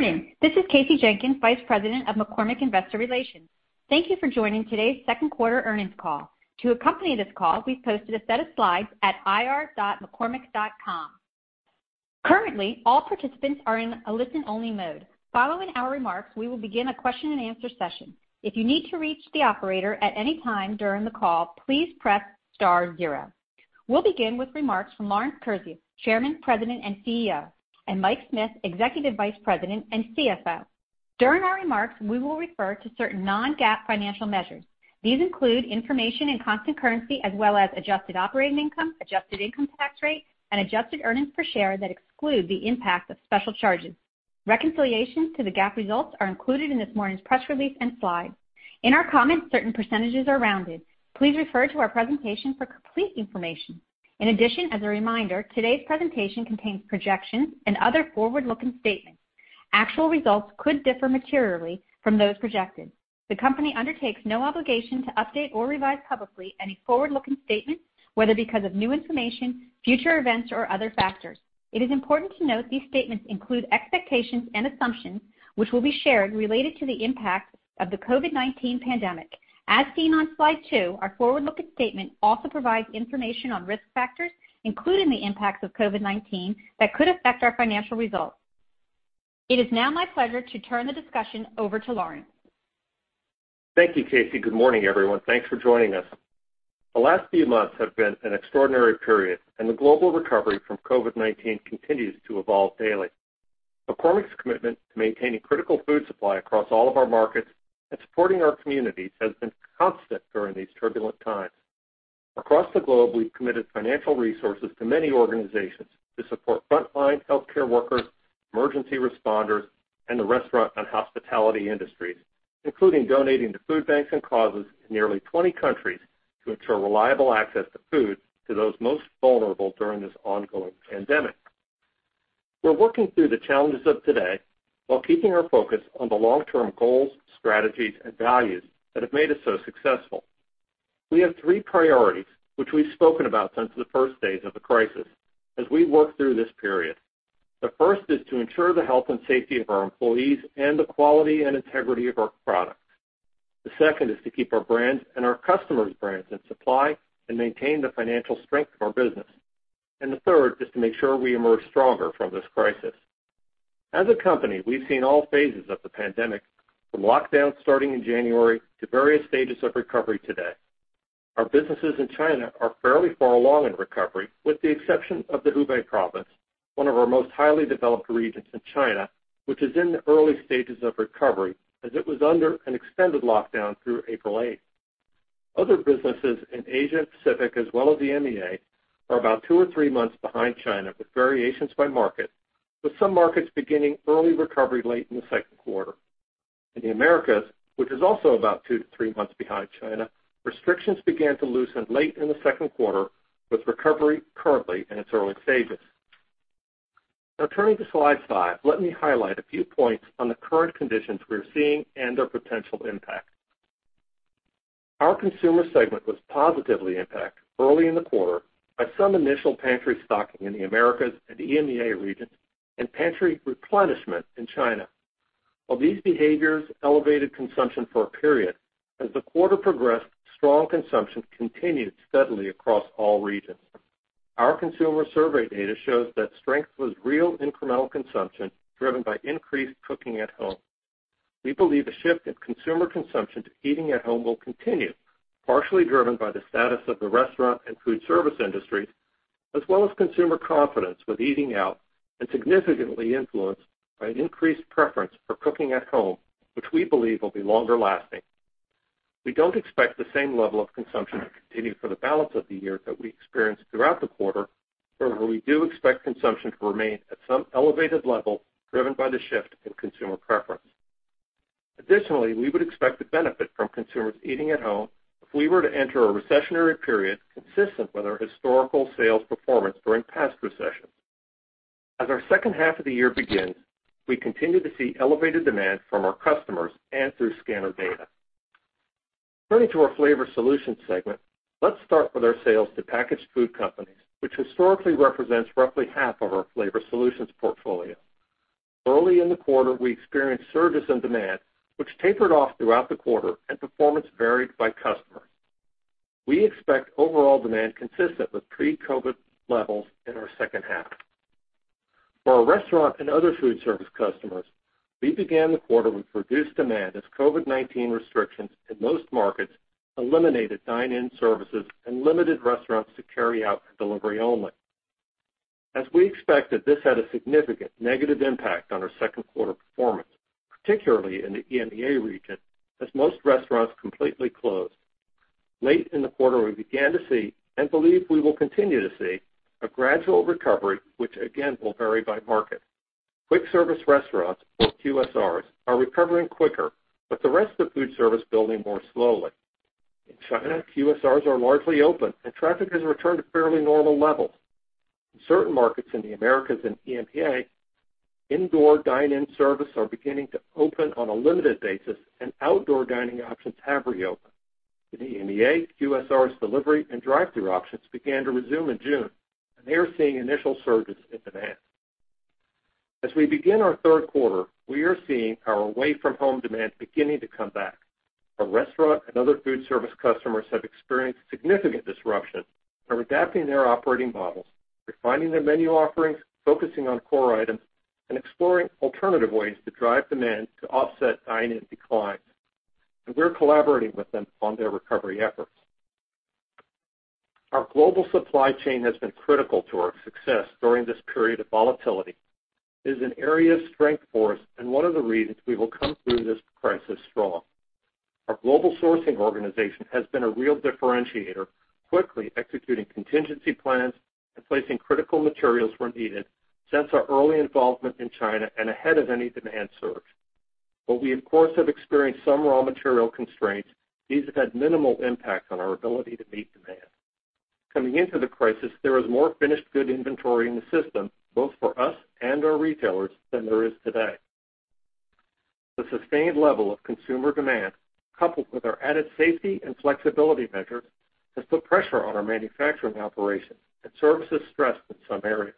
Good morning. This is Kasey Jenkins, Vice President of McCormick Investor Relations. Thank you for joining today's second quarter earnings call. To accompany this call, we've posted a set of slides at ir.mccormick.com. Currently, all participants are in a listen-only mode. Following our remarks, we will begin a question and answer session. If you need to reach the operator at any time during the call, please press star zero. We'll begin with remarks from Lawrence Kurzius, Chairman, President, and CEO, and Mike Smith, Executive Vice President and CFO. During our remarks, we will refer to certain non-GAAP financial measures. These include information in constant currency as well as adjusted operating income, adjusted income tax rate, and adjusted earnings per share that exclude the impact of special charges. Reconciliation to the GAAP results are included in this morning's press release and slides. In our comments, certain percentages are rounded. Please refer to our presentation for complete information. As a reminder, today's presentation contains projections and other forward-looking statements. Actual results could differ materially from those projected. The company undertakes no obligation to update or revise publicly any forward-looking statements, whether because of new information, future events, or other factors. It is important to note these statements include expectations and assumptions, which will be shared related to the impact of the COVID-19 pandemic. As seen on slide two, our forward-looking statement also provides information on risk factors, including the impacts of COVID-19 that could affect our financial results. It is now my pleasure to turn the discussion over to Lawrence. Thank you, Kasey. Good morning, everyone. Thanks for joining us. The last few months have been an extraordinary period, and the global recovery from COVID-19 continues to evolve daily. McCormick's commitment to maintaining critical food supply across all of our markets and supporting our communities has been constant during these turbulent times. Across the globe, we've committed financial resources to many organizations to support frontline healthcare workers, emergency responders, and the restaurant and hospitality industries, including donating to food banks and causes in nearly 20 countries to ensure reliable access to food to those most vulnerable during this ongoing pandemic. We're working through the challenges of today while keeping our focus on the long-term goals, strategies, and values that have made us so successful. We have three priorities, which we've spoken about since the first days of the crisis as we work through this period. The first is to ensure the health and safety of our employees and the quality and integrity of our products. The second is to keep our brands and our customers' brands in supply and maintain the financial strength of our business. The third is to make sure we emerge stronger from this crisis. As a company, we've seen all phases of the pandemic, from lockdowns starting in January to various stages of recovery today. Our businesses in China are fairly far along in recovery, with the exception of the Hubei province, one of our most highly developed regions in China, which is in the early stages of recovery as it was under an extended lockdown through April 8th. Other businesses in Asia and Pacific, as well as the EMEA, are about two or three months behind China, with variations by market, with some markets beginning early recovery late in the second quarter. In the Americas, which is also about two to three months behind China, restrictions began to loosen late in the second quarter, with recovery currently in its early stages. Turning to slide five, let me highlight a few points on the current conditions we're seeing and their potential impact. Our Consumer segment was positively impacted early in the quarter by some initial pantry stocking in the Americas and EMEA region and pantry replenishment in China. While these behaviors elevated consumption for a period, as the quarter progressed, strong consumption continued steadily across all regions. Our consumer survey data shows that strength was real incremental consumption driven by increased cooking at home. We believe the shift in consumer consumption to eating at home will continue, partially driven by the status of the restaurant and food service industry, as well as consumer confidence with eating out and significantly influenced by an increased preference for cooking at home, which we believe will be longer lasting. We don't expect the same level of consumption to continue for the balance of the year that we experienced throughout the quarter, however, we do expect consumption to remain at some elevated level driven by the shift in consumer preference. Additionally, we would expect the benefit from consumers eating at home if we were to enter a recessionary period consistent with our historical sales performance during past recessions. As our second half of the year begins, we continue to see elevated demand from our customers and through scanner data. Turning to our Flavor Solutions segment, let's start with our sales to packaged food companies, which historically represents roughly half of our Flavor Solutions portfolio. Early in the quarter, we experienced surges in demand, which tapered off throughout the quarter and performance varied by customer. We expect overall demand consistent with pre-COVID levels in our second half. For our restaurant and other food service customers, we began the quarter with reduced demand as COVID-19 restrictions in most markets eliminated dine-in services and limited restaurants to carry out for delivery only. As we expected, this had a significant negative impact on our second quarter performance, particularly in the EMEA region, as most restaurants completely closed. Late in the quarter, we began to see and believe we will continue to see a gradual recovery, which again, will vary by market. Quick service restaurants or QSRs are recovering quicker, with the rest of food service building more slowly. In China, QSRs are largely open, and traffic has returned to fairly normal levels. In certain markets in the Americas and EMEA, indoor dine-in service is beginning to open on a limited basis, and outdoor dining options have reopened. In EMEA, QSR's delivery and drive-through options began to resume in June, and they are seeing initial surges in demand. As we begin our third quarter, we are seeing our away-from-home demand beginning to come back. Our restaurant and other food service customers have experienced significant disruption and are adapting their operating models, refining their menu offerings, focusing on core items, and exploring alternative ways to drive demand to offset dine-in declines. We're collaborating with them on their recovery efforts. Our global supply chain has been critical to our success during this period of volatility. It is an area of strength for us and one of the reasons we will come through this crisis strong. Our global sourcing organization has been a real differentiator, quickly executing contingency plans and placing critical materials where needed since our early involvement in China and ahead of any demand surge. We, of course, have experienced some raw material constraints. These have had minimal impact on our ability to meet demand. Coming into the crisis, there was more finished good inventory in the system, both for us and our retailers, than there is today. The sustained level of consumer demand, coupled with our added safety and flexibility measures, has put pressure on our manufacturing operations and service is stressed in some areas.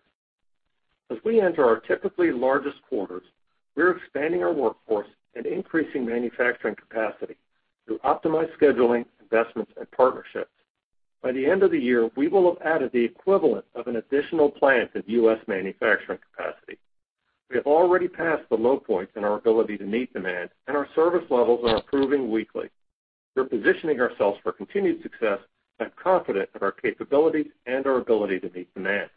As we enter our typically largest quarters, we're expanding our workforce and increasing manufacturing capacity through optimized scheduling, investments, and partnerships. By the end of the year, we will have added the equivalent of an additional plant of U.S. manufacturing capacity. We have already passed the low points in our ability to meet demand, and our service levels are improving weekly. We're positioning ourselves for continued success and confident of our capabilities and our ability to meet demand.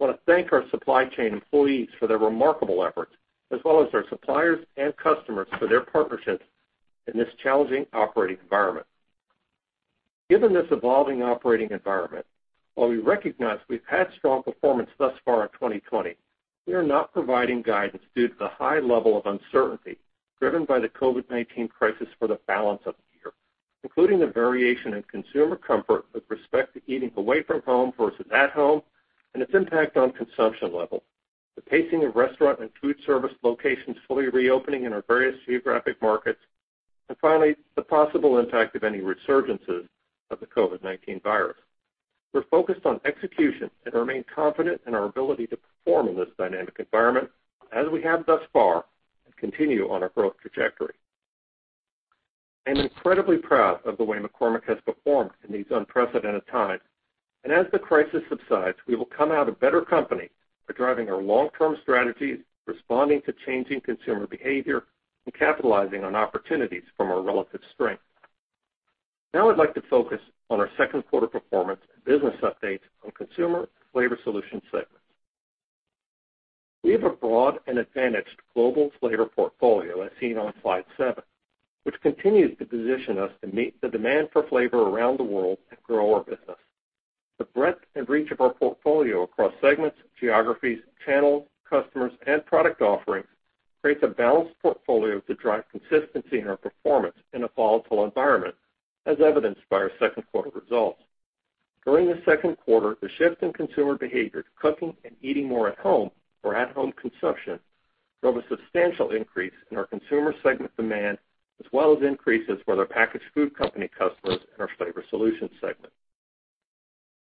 I want to thank our supply chain employees for their remarkable efforts, as well as our suppliers and customers for their partnerships in this challenging operating environment. Given this evolving operating environment, while we recognize we've had strong performance thus far in 2020, we are not providing guidance due to the high level of uncertainty driven by the COVID-19 crisis for the balance of the year, including the variation in consumer comfort with respect to eating away from home versus at home and its impact on consumption levels, the pacing of restaurant and food service locations fully reopening in our various geographic markets, and finally, the possible impact of any resurgences of the COVID-19 virus. We're focused on execution and remain confident in our ability to perform in this dynamic environment, as we have thus far, and continue on our growth trajectory. I'm incredibly proud of the way McCormick has performed in these unprecedented times. As the crisis subsides, we will come out a better company by driving our long-term strategies, responding to changing consumer behavior, and capitalizing on opportunities from our relative strength. I'd like to focus on our second quarter performance and business updates on Consumer, Flavor Solutions segments. We have a broad and advantaged global flavor portfolio, as seen on slide seven, which continues to position us to meet the demand for flavor around the world and grow our business. The breadth and reach of our portfolio across segments, geographies, channels, customers, and product offerings creates a balanced portfolio to drive consistency in our performance in a volatile environment, as evidenced by our second quarter results. During the second quarter, the shift in consumer behavior to cooking and eating more at home for at-home consumption drove a substantial increase in our Consumer segment demand, as well as increases for their packaged food company customers in our Flavor Solutions segment.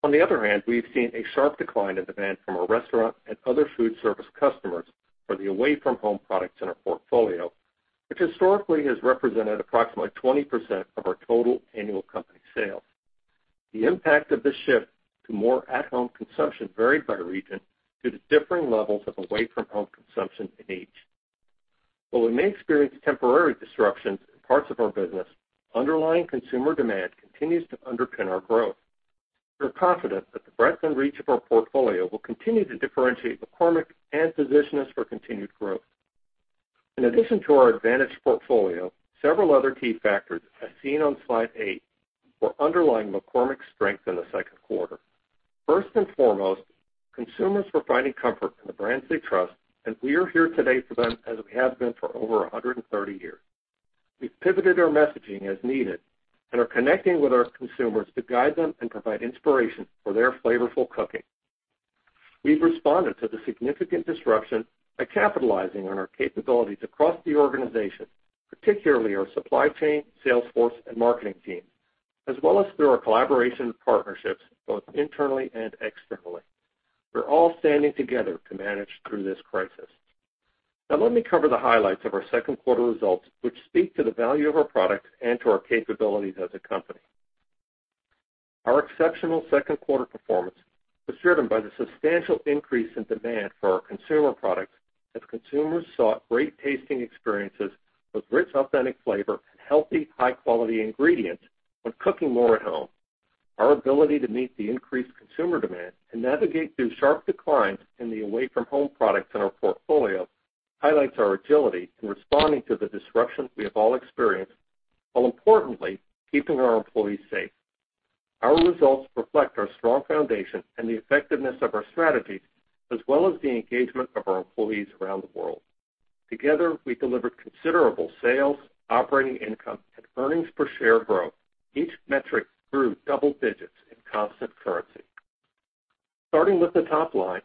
On the other hand, we've seen a sharp decline in demand from our restaurant and other food service customers for the away-from-home products in our portfolio, which historically has represented approximately 20% of our total annual company sales. The impact of this shift to more at-home consumption varied by region due to differing levels of away-from-home consumption in each. While we may experience temporary disruptions in parts of our business, underlying consumer demand continues to underpin our growth. We're confident that the breadth and reach of our portfolio will continue to differentiate McCormick and position us for continued growth. In addition to our advantaged portfolio, several other key factors, as seen on slide eight, were underlying McCormick's strength in the second quarter. First and foremost, consumers were finding comfort in the brands they trust, and we are here today for them, as we have been for over 130 years. We've pivoted our messaging as needed and are connecting with our consumers to guide them and provide inspiration for their flavorful cooking. We've responded to the significant disruption by capitalizing on our capabilities across the organization, particularly our supply chain, sales force, and marketing teams, as well as through our collaboration and partnerships, both internally and externally. We're all standing together to manage through this crisis. Now let me cover the highlights of our second quarter results, which speak to the value of our products and to our capabilities as a company. Our exceptional second quarter performance was driven by the substantial increase in demand for our consumer products as consumers sought great tasting experiences with rich, authentic flavor and healthy, high-quality ingredients when cooking more at home. Our ability to meet the increased consumer demand and navigate through sharp declines in the away-from-home products in our portfolio highlights our agility in responding to the disruptions we have all experienced while importantly keeping our employees safe. Our results reflect our strong foundation and the effectiveness of our strategies, as well as the engagement of our employees around the world. Together, we delivered considerable sales, operating income, and earnings per share growth, each metric grew double digits in constant currency. Starting with the top line,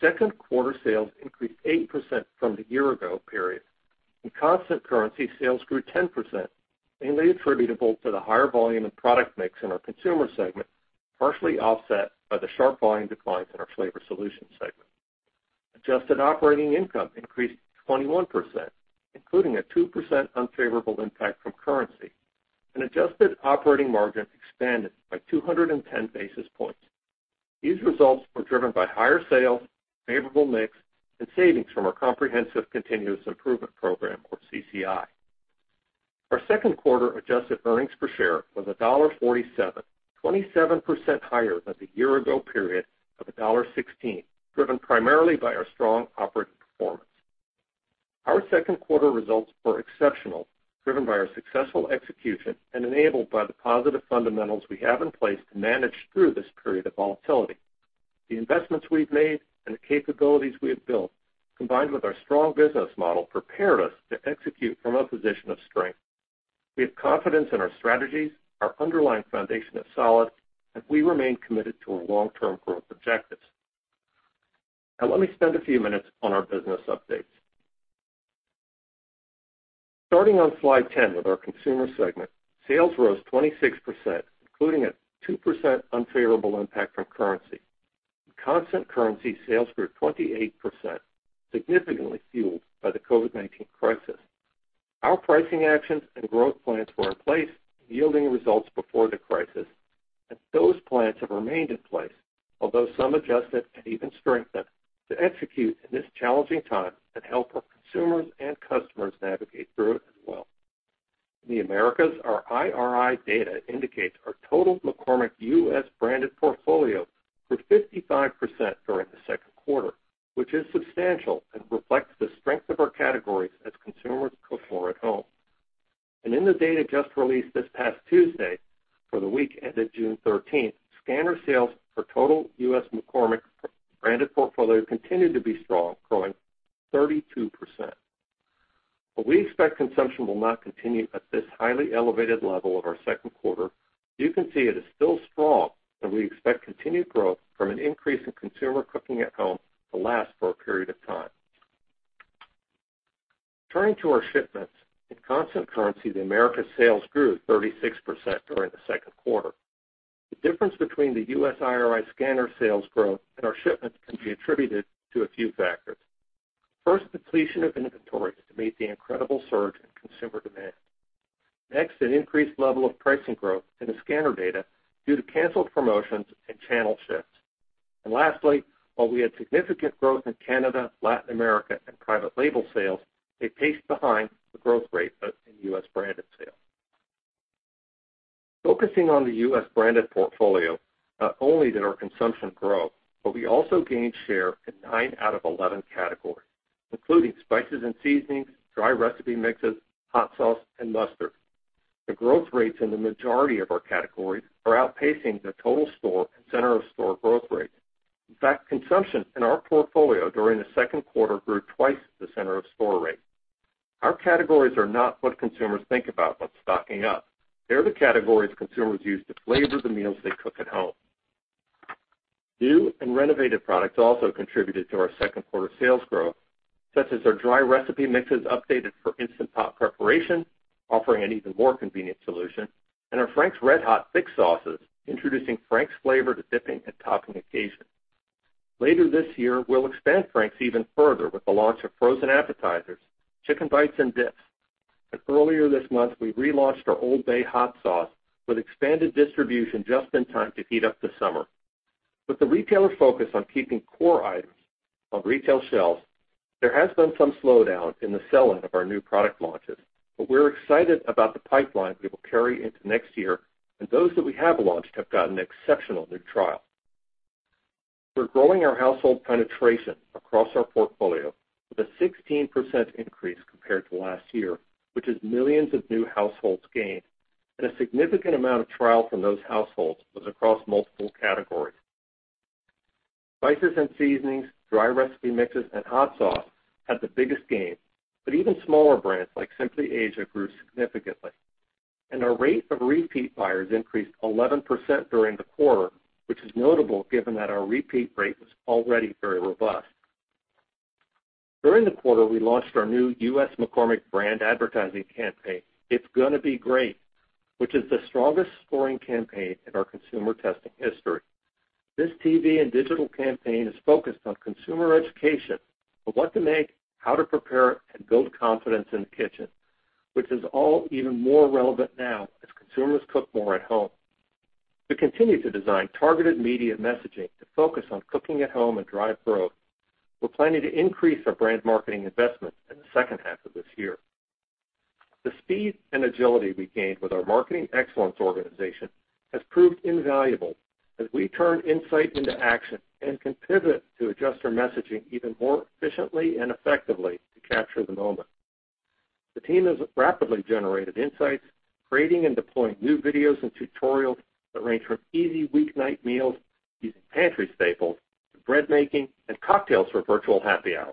second quarter sales increased 8% from the year ago period. In constant currency, sales grew 10%, mainly attributable to the higher volume and product mix in our Consumer segment, partially offset by the sharp volume declines in our Flavor Solutions segment. Adjusted operating income increased 21%, including a 2% unfavorable impact from currency, and adjusted operating margin expanded by 210 basis points. These results were driven by higher sales, favorable mix, and savings from our Comprehensive Continuous Improvement program or CCI. Our second quarter adjusted earnings per share was $1.47, 27% higher than the year ago period of $1.16, driven primarily by our strong operating performance. Our second quarter results were exceptional, driven by our successful execution and enabled by the positive fundamentals we have in place to manage through this period of volatility. The investments we've made and the capabilities we have built, combined with our strong business model, prepared us to execute from a position of strength. We have confidence in our strategies, our underlying foundation is solid, and we remain committed to our long-term growth objectives. Now let me spend a few minutes on our business updates. Starting on slide 10 with our Consumer segment, sales rose 26%, including a 2% unfavorable impact from currency. In constant currency, sales grew 28%, significantly fueled by the COVID-19 crisis. Our pricing actions and growth plans were in place, yielding results before the crisis, and those plans have remained in place, although some adjusted and even strengthened to execute in this challenging time and help our consumers and customers navigate through it as well. In the Americas, our IRI data indicates our total McCormick U.S. branded portfolio grew 55% during the second quarter, which is substantial and reflects the strength of our categories as consumers cook more at home. In the data just released this past Tuesday for the week ended June 13th, scanner sales for total U.S. McCormick branded portfolio continued to be strong, growing 32%. We expect consumption will not continue at this highly elevated level of our second quarter. You can see it is still strong, and we expect continued growth from an increase in consumer cooking at home to last for a period of time. Turning to our shipments, in constant currency, the Americas sales grew 36% during the second quarter. The difference between the U.S. IRI scanner sales growth and our shipments can be attributed to a few factors. First, depletion of inventories to meet the incredible surge in consumer demand. Next, an increased level of pricing growth in the scanner data due to canceled promotions and channel shifts. Lastly, while we had significant growth in Canada, Latin America, and private label sales, they paced behind the growth rate of U.S. branded sales. Focusing on the U.S. branded portfolio, not only did our consumption grow, but we also gained share in nine out of 11 categories, including spices and seasonings, dry recipe mixes, hot sauce, and mustard. The growth rates in the majority of our categories are outpacing the total store and center-of-store growth rate. In fact, consumption in our portfolio during the second quarter grew twice the center-of-store rate. Our categories are not what consumers think about when stocking up. They're the categories consumers use to flavor the meals they cook at home. New and renovated products also contributed to our second quarter sales growth, such as our dry recipe mixes updated for Instant Pot preparation, offering an even more convenient solution, and our Frank's RedHot thick sauces, introducing Frank's flavor to dipping and topping occasions. Later this year, we'll expand Frank's even further with the launch of frozen appetizers, chicken bites, and dips. Earlier this month, we relaunched our OLD BAY Hot Sauce with expanded distribution just in time to heat up the summer. With the retailer focus on keeping core items on retail shelves, there has been some slowdown in the sell-in of our new product launches, but we're excited about the pipeline we will carry into next year, and those that we have launched have gotten exceptional new trial. We're growing our household penetration across our portfolio with a 16% increase compared to last year, which is millions of new households gained, and a significant amount of trial from those households was across multiple categories. Spices and seasonings, dry recipe mixes, and hot sauce had the biggest gain, but even smaller brands like Simply Asia grew significantly. Our rate of repeat buyers increased 11% during the quarter, which is notable given that our repeat rate was already very robust. During the quarter, we launched our new U.S. McCormick brand advertising campaign, "It's Gonna Be Great," which is the strongest scoring campaign in our consumer testing history. This TV and digital campaign is focused on consumer education of what to make, how to prepare, and build confidence in the kitchen, which is all even more relevant now as consumers cook more at home. To continue to design targeted media messaging to focus on cooking at home and drive growth, we're planning to increase our brand marketing investment in the second half of this year. The speed and agility we gained with our Marketing Excellence organization has proved invaluable as we turn insight into action and can pivot to adjust our messaging even more efficiently and effectively to capture the moment. The team has rapidly generated insights, creating and deploying new videos and tutorials that range from easy weeknight meals using pantry staples to bread making and cocktails for virtual happy hour.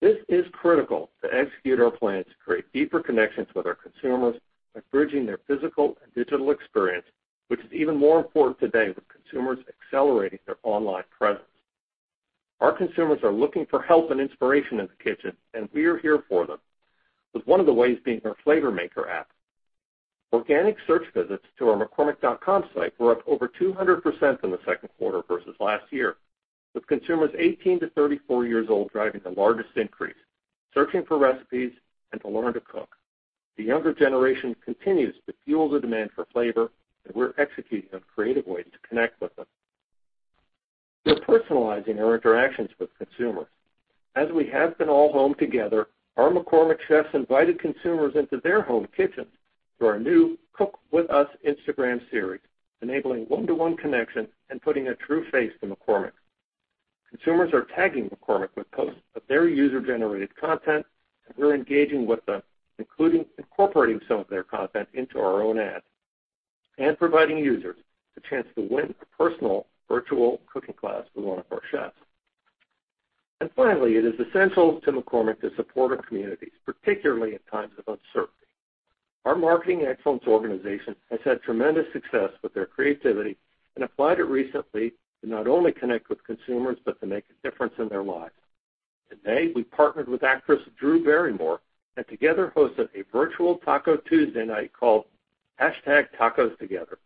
This is critical to execute our plan to create deeper connections with our consumers by bridging their physical and digital experience, which is even more important today with consumers accelerating their online presence. Our consumers are looking for help and inspiration in the kitchen, and we're here for them, with one of the ways being our Flavor Maker app. Organic search visits to our mccormick.com site were up over 200% in the second quarter versus last year, with consumers 18 to 34 years old driving the largest increase, searching for recipes and to learn to cook. The younger generation continues to fuel the demand for flavor, and we're executing on creative ways to connect with them. We're personalizing our interactions with consumers. As we have been all home together, our McCormick chefs invited consumers into their home kitchens through our new Cook With Us Instagram series, enabling one-to-one connection and putting a true face to McCormick. Consumers are tagging McCormick with posts of their user-generated content, we're engaging with them, including incorporating some of their content into our own ads and providing users the chance to win a personal virtual cooking class with one of our chefs. Finally, it is essential to McCormick to support our communities, particularly in times of uncertainty. Our Marketing Excellence organization has had tremendous success with their creativity and applied it recently to not only connect with consumers, but to make a difference in their lives. Today, we partnered with actress Drew Barrymore, together hosted a virtual Taco Tuesday night called #TacosTogether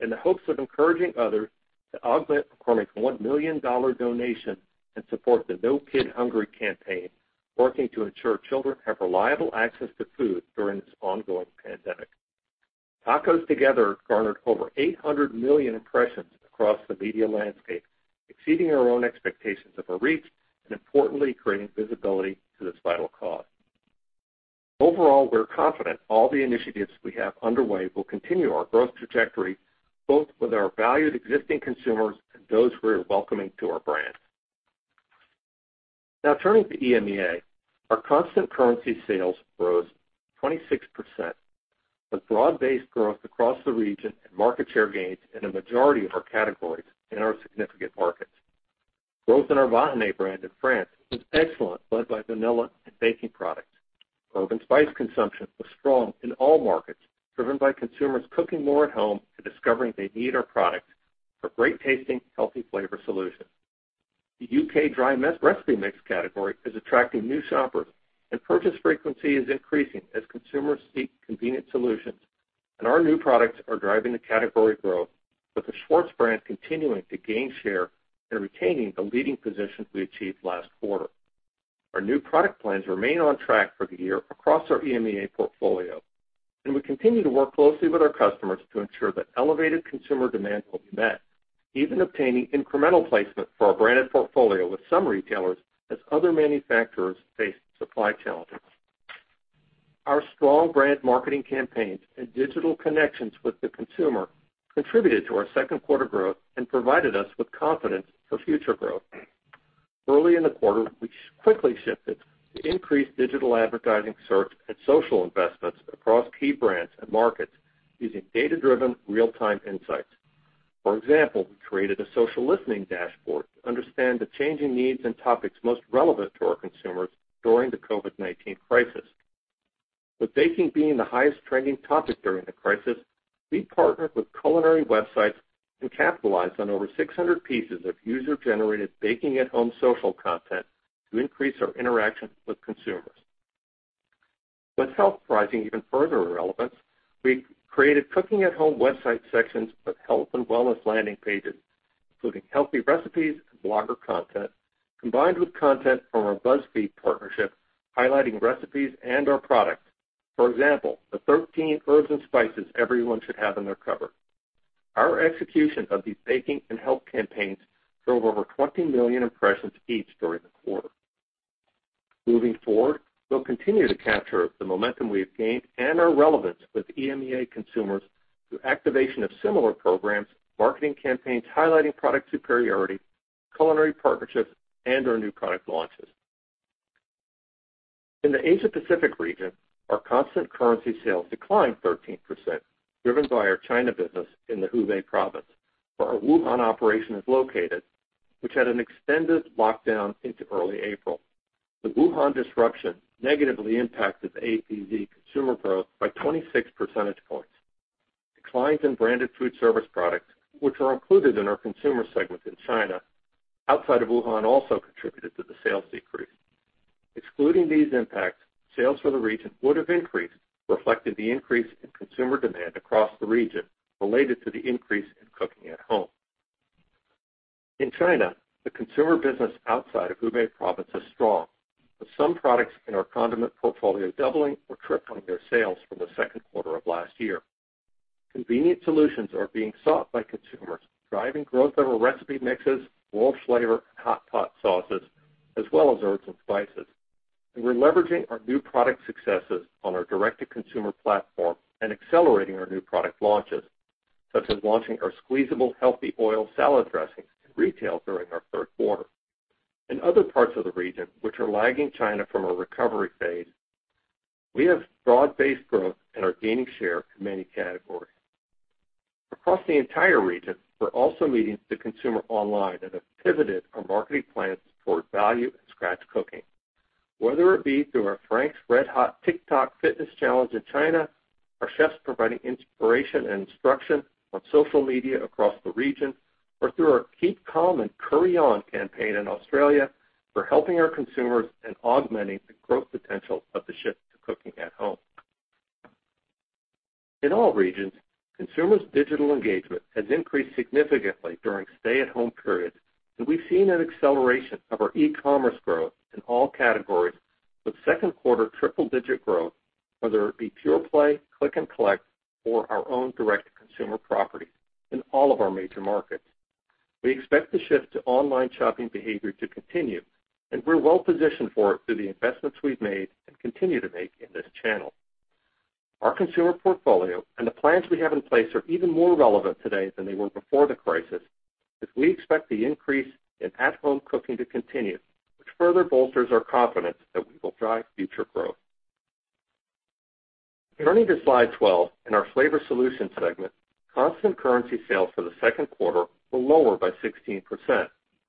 in the hopes of encouraging others to augment McCormick's $1 million donation and support the No Kid Hungry campaign, working to ensure children have reliable access to food during this ongoing pandemic. TacosTogether garnered over 800 million impressions across the media landscape, exceeding our own expectations of our reach, and importantly, creating visibility to this vital cause. Overall, we're confident all the initiatives we have underway will continue our growth trajectory, both with our valued existing consumers and those we are welcoming to our brand. Now, turning to EMEA. Our constant currency sales rose 26%, with broad-based growth across the region and market share gains in a majority of our categories in our significant markets. Growth in our Vahiné brand in France was excellent, led by vanilla and baking products. herbs and spices consumption was strong in all markets, driven by consumers cooking more at home and discovering they need our products for great-tasting, healthy flavor solutions. The U.K. dry recipe mix category is attracting new shoppers, and purchase frequency is increasing as consumers seek convenient solutions, and our new products are driving the category growth with the Schwartz brand continuing to gain share and retaining the leading position we achieved last quarter. Our new product plans remain on track for the year across our EMEA portfolio, and we continue to work closely with our customers to ensure that elevated consumer demand will be met, even obtaining incremental placement for our branded portfolio with some retailers as other manufacturers face supply challenges. Our strong brand marketing campaigns and digital connections with the consumer contributed to our second quarter growth and provided us with confidence for future growth. Early in the quarter, we quickly shifted to increase digital advertising, search, and social investments across key brands and markets using data-driven real-time insights. For example, we created a social listening dashboard to understand the changing needs and topics most relevant to our consumers during the COVID-19 crisis. With baking being the highest trending topic during the crisis, we partnered with culinary websites to capitalize on over 600 pieces of user-generated baking at home social content to increase our interactions with consumers. With health rising even further in relevance, we created cooking at home website sections with health and wellness landing pages, including healthy recipes and blogger content, combined with content from our BuzzFeed partnership, highlighting recipes and/or products. For example, the 13 herbs and spices everyone should have in their cupboard. Our execution of these baking and health campaigns drove over 20 million impressions each during the quarter. Moving forward, we'll continue to capture the momentum we have gained and our relevance with EMEA consumers through activation of similar programs, marketing campaigns highlighting product superiority, culinary partnerships, and our new product launches. In the Asia Pacific region, our constant currency sales declined 13%, driven by our China business in the Hubei province, where our Wuhan operation is located, which had an extended lockdown into early April. The Wuhan disruption negatively impacted APZ consumer growth by 26 percentage points. Declines in branded food service products, which are included in our Consumer segment in China, outside of Wuhan, also contributed to the sales decrease. Excluding these impacts, sales for the region would have increased, reflecting the increase in consumer demand across the region related to the increase in cooking at home. In China, the Consumer business outside of Hubei province is strong, with some products in our condiment portfolio doubling or tripling their sales from the second quarter of last year. Convenient solutions are being sought by consumers, driving growth in our recipe mixes, world flavor, hot pot sauces, as well as herbs and spices. We're leveraging our new product successes on our direct-to-consumer platform and accelerating our new product launches, such as launching our squeezable healthy oil salad dressings in retail during our third quarter. In other parts of the region, which are lagging China from a recovery phase, we have broad-based growth and are gaining share in many categories. Across the entire region, we're also meeting the consumer online that have pivoted our marketing plans toward value and scratch cooking. Whether it be through our Frank's RedHot TikTok fitness challenge in China, our chefs providing inspiration and instruction on social media across the region, or through our Keep Calm and Curry On campaign in Australia, we're helping our consumers and augmenting the growth potential of the shift to cooking at home. In all regions, consumers' digital engagement has increased significantly during stay-at-home periods, and we've seen an acceleration of our e-commerce growth in all categories with second quarter triple-digit growth, whether it be pure play, click and collect, or our own direct-to-consumer property in all of our major markets. We expect the shift to online shopping behavior to continue, and we're well-positioned for it through the investments we've made and continue to make in this channel. Our Consumer portfolio and the plans we have in place are even more relevant today than they were before the crisis, as we expect the increase in at-home cooking to continue, which further bolsters our confidence that we will drive future growth. Turning to slide 12, in our Flavor Solutions segment, constant currency sales for the second quarter were lower by 16%,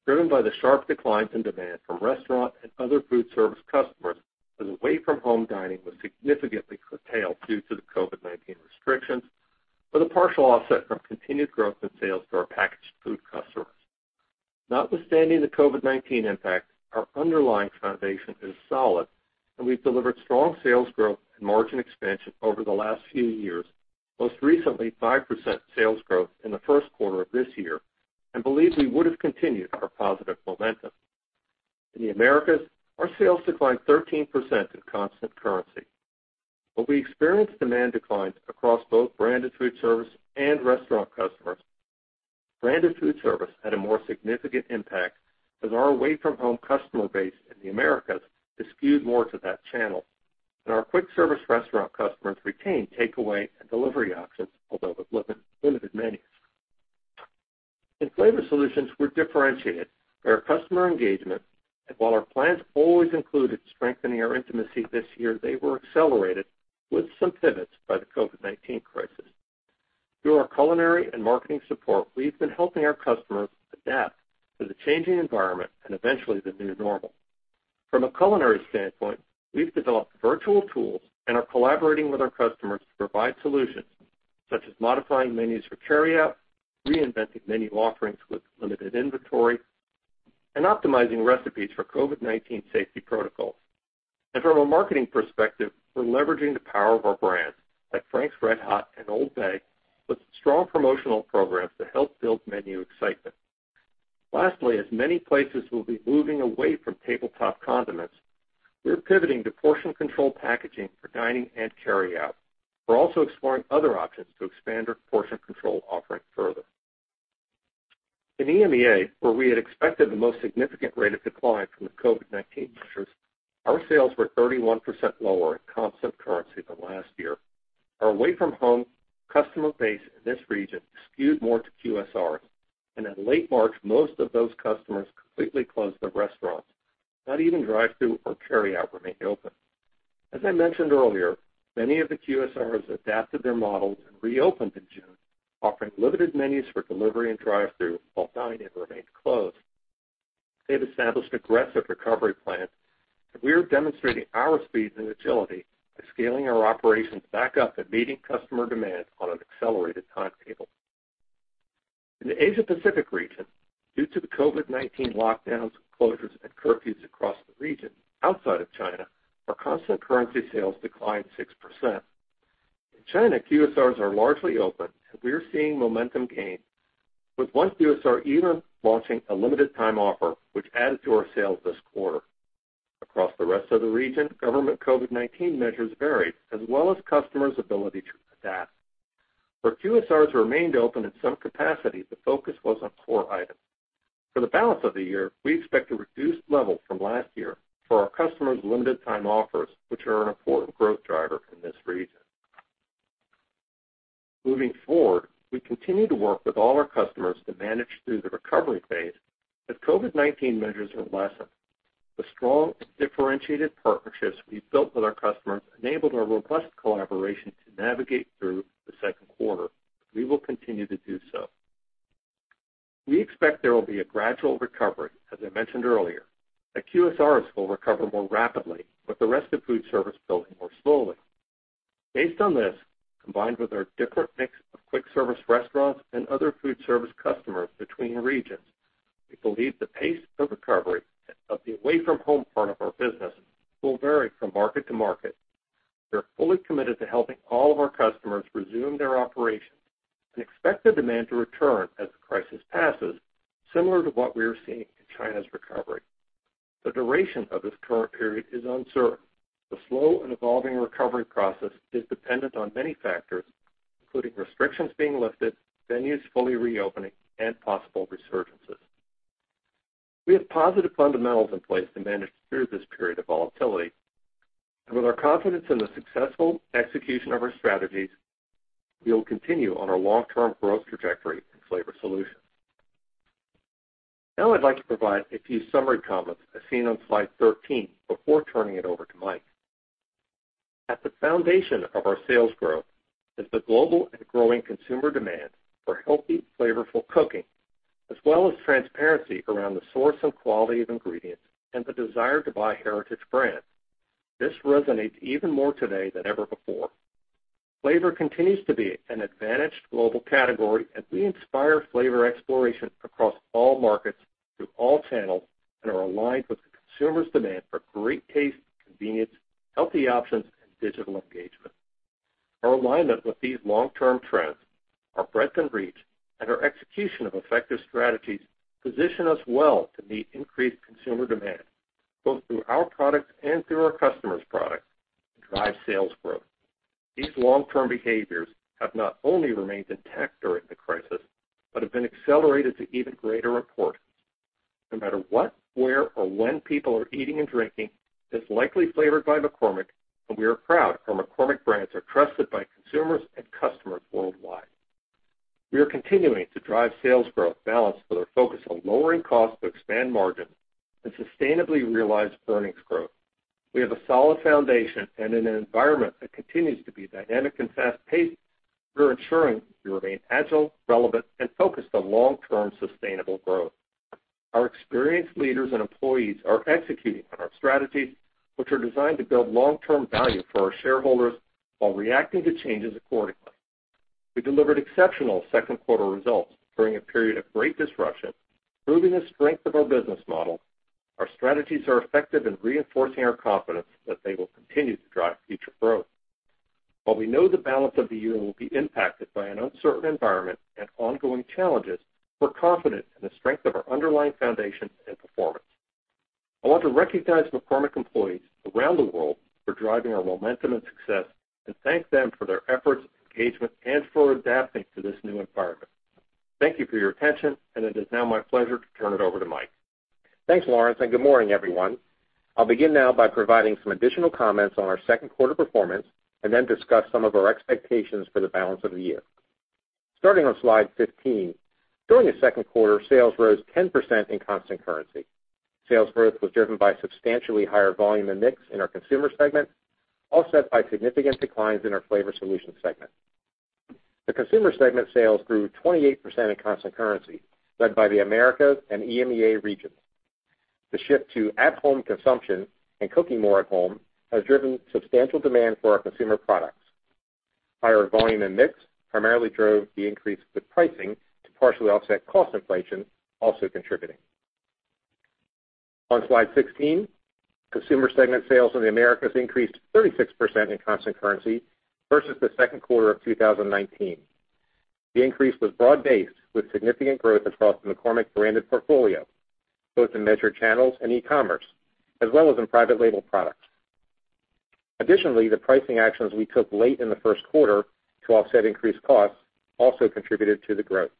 driven by the sharp declines in demand from restaurant and other food service customers, as away-from-home dining was significantly curtailed due to the COVID-19 restrictions, with a partial offset from continued growth in sales to our packaged food customers. Notwithstanding the COVID-19 impact, our underlying foundation is solid, and we've delivered strong sales growth and margin expansion over the last few years, most recently 5% sales growth in the first quarter of this year, and believe we would've continued our positive momentum. In the Americas, our sales declined 13% in constant currency. While we experienced demand declines across both branded food service and restaurant customers, branded food service had a more significant impact, as our away-from-home customer base in the Americas is skewed more to that channel. Our quick service restaurant customers retained takeaway and delivery options, although with limited menus. In Flavor Solutions, we're differentiated through our customer engagement, and while our plans always included strengthening our intimacy this year, they were accelerated with some pivots by the COVID-19 crisis. Through our culinary and marketing support, we've been helping our customers adapt to the changing environment and eventually the new normal. From a culinary standpoint, we've developed virtual tools and are collaborating with our customers to provide solutions, such as modifying menus for carryout, reinventing menu offerings with limited inventory, and optimizing recipes for COVID-19 safety protocols. From a marketing perspective, we're leveraging the power of our brands like Frank's RedHot and OLD BAY with strong promotional programs to help build menu excitement. Lastly, as many places will be moving away from tabletop condiments, we're pivoting to portion control packaging for dining and carryout. We're also exploring other options to expand our portion control offering further. In EMEA, where we had expected the most significant rate of decline from the COVID-19 measures, our sales were 31% lower in constant currency than last year. Our away-from-home customer base in this region skewed more to QSRs, and in late March, most of those customers completely closed their restaurants. Not even drive-thru or carryout remained open. As I mentioned earlier, many of the QSRs adapted their models and reopened in June, offering limited menus for delivery and drive-thru while dining remained closed. They've established aggressive recovery plans. We are demonstrating our speed and agility by scaling our operations back up and meeting customer demand on an accelerated timetable. In the Asia Pacific region, due to the COVID-19 lockdowns, closures, and curfews across the region outside of China, our constant currency sales declined 6%. In China, QSRs are largely open, and we are seeing momentum gain, with one QSR even launching a limited time offer, which added to our sales this quarter. Across the rest of the region, government COVID-19 measures varied, as well as customers' ability to adapt. Where QSRs remained open in some capacity, the focus was on core items. For the balance of the year, we expect a reduced level from last year for our customers' limited time offers, which are an important growth driver in this region. Moving forward, we continue to work with all our customers to manage through the recovery phase as COVID-19 measures are lessened. The strong, differentiated partnerships we've built with our customers enabled our robust collaboration to navigate through the second quarter. We will continue to do so. We expect there will be a gradual recovery, as I mentioned earlier, that QSRs will recover more rapidly, with the rest of food service building more slowly. Based on this, combined with our different mix of quick service restaurants and other food service customers between regions, we believe the pace of recovery of the away-from-home part of our business will vary from market to market. We are fully committed to helping all of our customers resume their operations and expect the demand to return as the crisis passes, similar to what we are seeing in China's recovery. The duration of this current period is uncertain. The slow and evolving recovery process is dependent on many factors, including restrictions being lifted, venues fully reopening, and possible resurgences. We have positive fundamentals in place to manage through this period of volatility, and with our confidence in the successful execution of our strategies, we will continue on our long-term growth trajectory in Flavor Solutions. Now I'd like to provide a few summary comments as seen on slide 13 before turning it over to Mike. At the foundation of our sales growth is the global and growing consumer demand for healthy, flavorful cooking, as well as transparency around the source and quality of ingredients and the desire to buy heritage brands. This resonates even more today than ever before. Flavor continues to be an advantaged global category as we inspire flavor exploration across all markets, through all channels, and are aligned with the consumer's demand for great taste, convenience, healthy options, and digital engagement. Our alignment with these long-term trends, our breadth and reach, and our execution of effective strategies position us well to meet increased consumer demand, both through our products and through our customers' products, to drive sales growth. These long-term behaviors have not only remained intact during the crisis, but have been accelerated to even greater importance. No matter what, where, or when people are eating and drinking, it's likely flavored by McCormick, and we are proud our McCormick brands are trusted by consumers and customers worldwide. We are continuing to drive sales growth balanced with our focus on lowering costs to expand margin and sustainably realize earnings growth. We have a solid foundation and in an environment that continues to be dynamic and fast-paced, we're ensuring we remain agile, relevant, and focused on long-term sustainable growth. Our experienced leaders and employees are executing on our strategies, which are designed to build long-term value for our shareholders while reacting to changes accordingly. We delivered exceptional second quarter results during a period of great disruption, proving the strength of our business model. Our strategies are effective in reinforcing our confidence that they will continue to drive future growth. While we know the balance of the year will be impacted by an uncertain environment and ongoing challenges, we're confident in the strength of our underlying foundation and performance. I want to recognize McCormick employees around the world for driving our momentum and success and thank them for their efforts, engagement, and for adapting to this new environment. Thank you for your attention, and it is now my pleasure to turn it over to Mike. Thanks, Lawrence. Good morning, everyone. I'll begin now by providing some additional comments on our second quarter performance and then discuss some of our expectations for the balance of the year. Starting on slide 15. During the second quarter, sales rose 10% in constant currency. Sales growth was driven by substantially higher volume and mix in our Consumer segment, offset by significant declines in our Flavor Solutions segment. The Consumer segment sales grew 28% in constant currency, led by the Americas and EMEA regions. The shift to at-home consumption and cooking more at home has driven substantial demand for our consumer products. Higher volume and mix primarily drove the increase, with pricing to partially offset cost inflation also contributing. On slide 16, Consumer segment sales in the Americas increased 36% in constant currency versus the second quarter of 2019. The increase was broad-based, with significant growth across the McCormick branded portfolio, both in measured channels and e-commerce, as well as in private label products. Additionally, the pricing actions we took late in the first quarter to offset increased costs also contributed to the growth.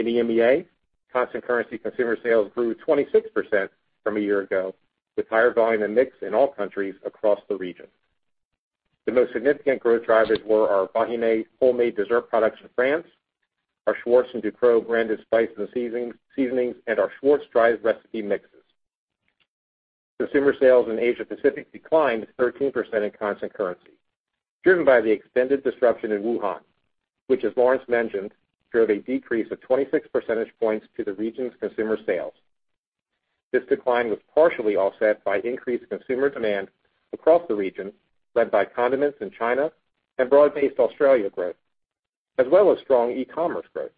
In EMEA, constant currency consumer sales grew 26% from a year ago, with higher volume and mix in all countries across the region. The most significant growth drivers were our Vahiné homemade dessert products in France, our Schwartz and Ducros branded spice and seasonings, and our Schwartz dry recipe mixes. Consumer sales in Asia Pacific declined 13% in constant currency, driven by the extended disruption in Wuhan, which, as Lawrence mentioned, drove a decrease of 26 percentage points to the region's consumer sales. This decline was partially offset by increased consumer demand across the region, led by condiments in China and broad-based Australia growth, as well as strong e-commerce growth.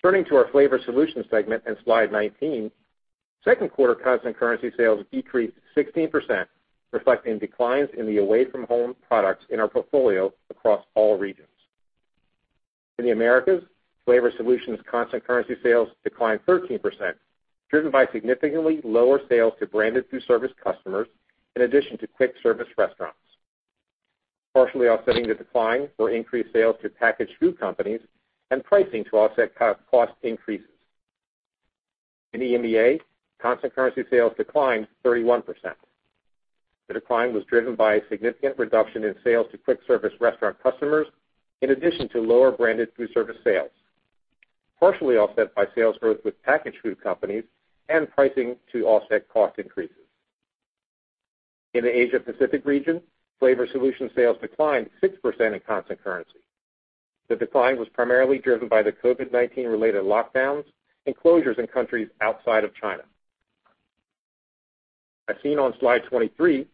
Turning to our Flavor Solutions segment on slide 19, second quarter constant currency sales decreased 16%, reflecting declines in the away-from-home products in our portfolio across all regions. In the Americas, Flavor Solutions constant currency sales declined 13%, driven by significantly lower sales to branded food service customers, in addition to quick service restaurants. Partially offsetting the decline were increased sales to packaged food companies and pricing to offset cost increases. In EMEA, constant currency sales declined 31%. The decline was driven by a significant reduction in sales to quick service restaurant customers, in addition to lower branded food service sales, partially offset by sales growth with packaged food companies and pricing to offset cost increases. In the Asia Pacific region, Flavor Solutions sales declined 6% in constant currency. The decline was primarily driven by the COVID-19 related lockdowns and closures in countries outside of China. As seen on slide 23,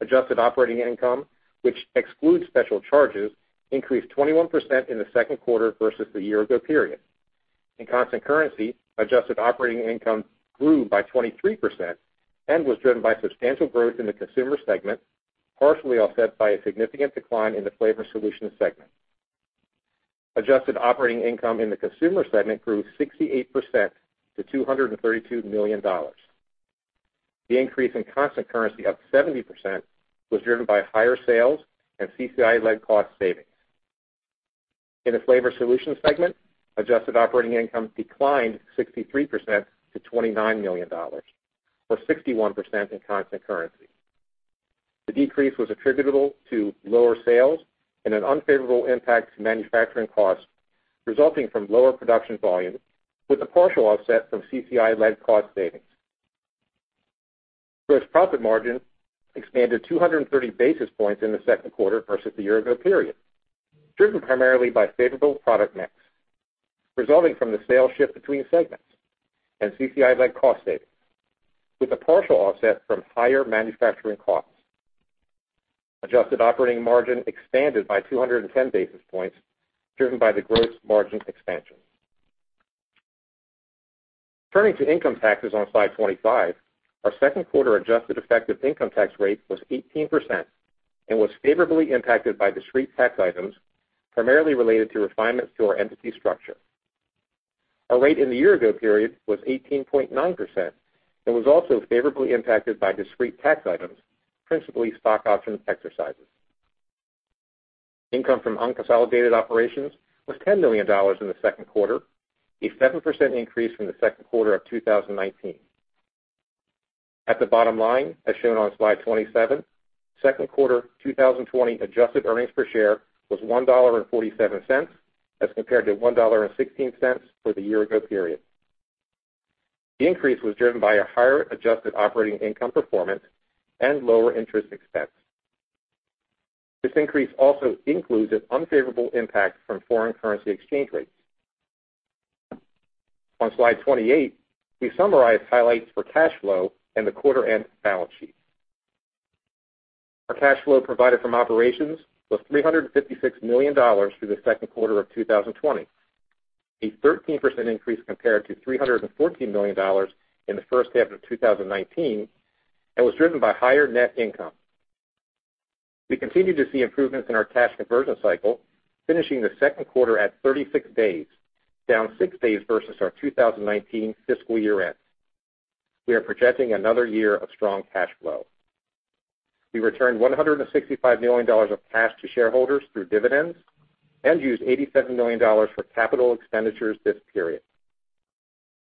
adjusted operating income, which excludes special charges, increased 21% in the second quarter versus the year ago period. In constant currency, adjusted operating income grew by 23% and was driven by substantial growth in the Consumer segment, partially offset by a significant decline in the Flavor Solutions segment. Adjusted operating income in the Consumer segment grew 68% to $232 million. The increase in constant currency of 70% was driven by higher sales and CCI-led cost savings. In the Flavor Solutions segment, adjusted operating income declined 63% to $29 million, or 61% in constant currency. The decrease was attributable to lower sales and an unfavorable impact to manufacturing costs resulting from lower production volume, with a partial offset from CCI-led cost savings. Gross profit margin expanded 230 basis points in the second quarter versus the year ago period, driven primarily by favorable product mix resulting from the sales shift between segments and CCI-led cost savings, with a partial offset from higher manufacturing costs. Adjusted operating margin expanded by 210 basis points, driven by the gross margin expansion. Turning to income taxes on slide 25, our second quarter adjusted effective income tax rate was 18% and was favorably impacted by discrete tax items, primarily related to refinements to our entity structure. Our rate in the year ago period was 18.9% and was also favorably impacted by discrete tax items, principally stock option exercises. Income from unconsolidated operations was $10 million in the second quarter, a 7% increase from the second quarter of 2019. At the bottom line, as shown on slide 27, second quarter 2020 adjusted earnings per share was $1.47 as compared to $1.16 for the year ago period. The increase was driven by a higher adjusted operating income performance and lower interest expense. This increase also includes an unfavorable impact from foreign currency exchange rates. On slide 28, we summarize highlights for cash flow and the quarter end balance sheet. Our cash flow provided from operations was $356 million through the second quarter of 2020, a 13% increase compared to $314 million in the first half of 2019, and was driven by higher net income. We continue to see improvements in our cash conversion cycle, finishing the second quarter at 36 days, down six days versus our 2019 fiscal year end. We are projecting another year of strong cash flow. We returned $165 million of cash to shareholders through dividends and used $87 million for capital expenditures this period.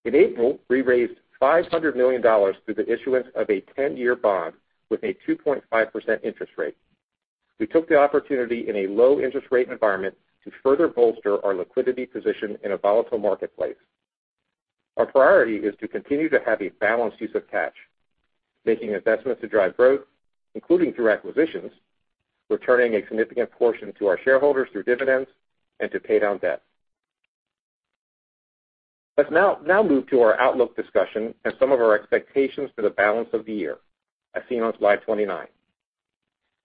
In April, we raised $500 million through the issuance of a 10-year bond with a 2.5% interest rate. We took the opportunity in a low interest rate environment to further bolster our liquidity position in a volatile marketplace. Our priority is to continue to have a balanced use of cash, making investments to drive growth, including through acquisitions, returning a significant portion to our shareholders through dividends and to pay down debt. Let's now move to our outlook discussion and some of our expectations for the balance of the year, as seen on slide 29.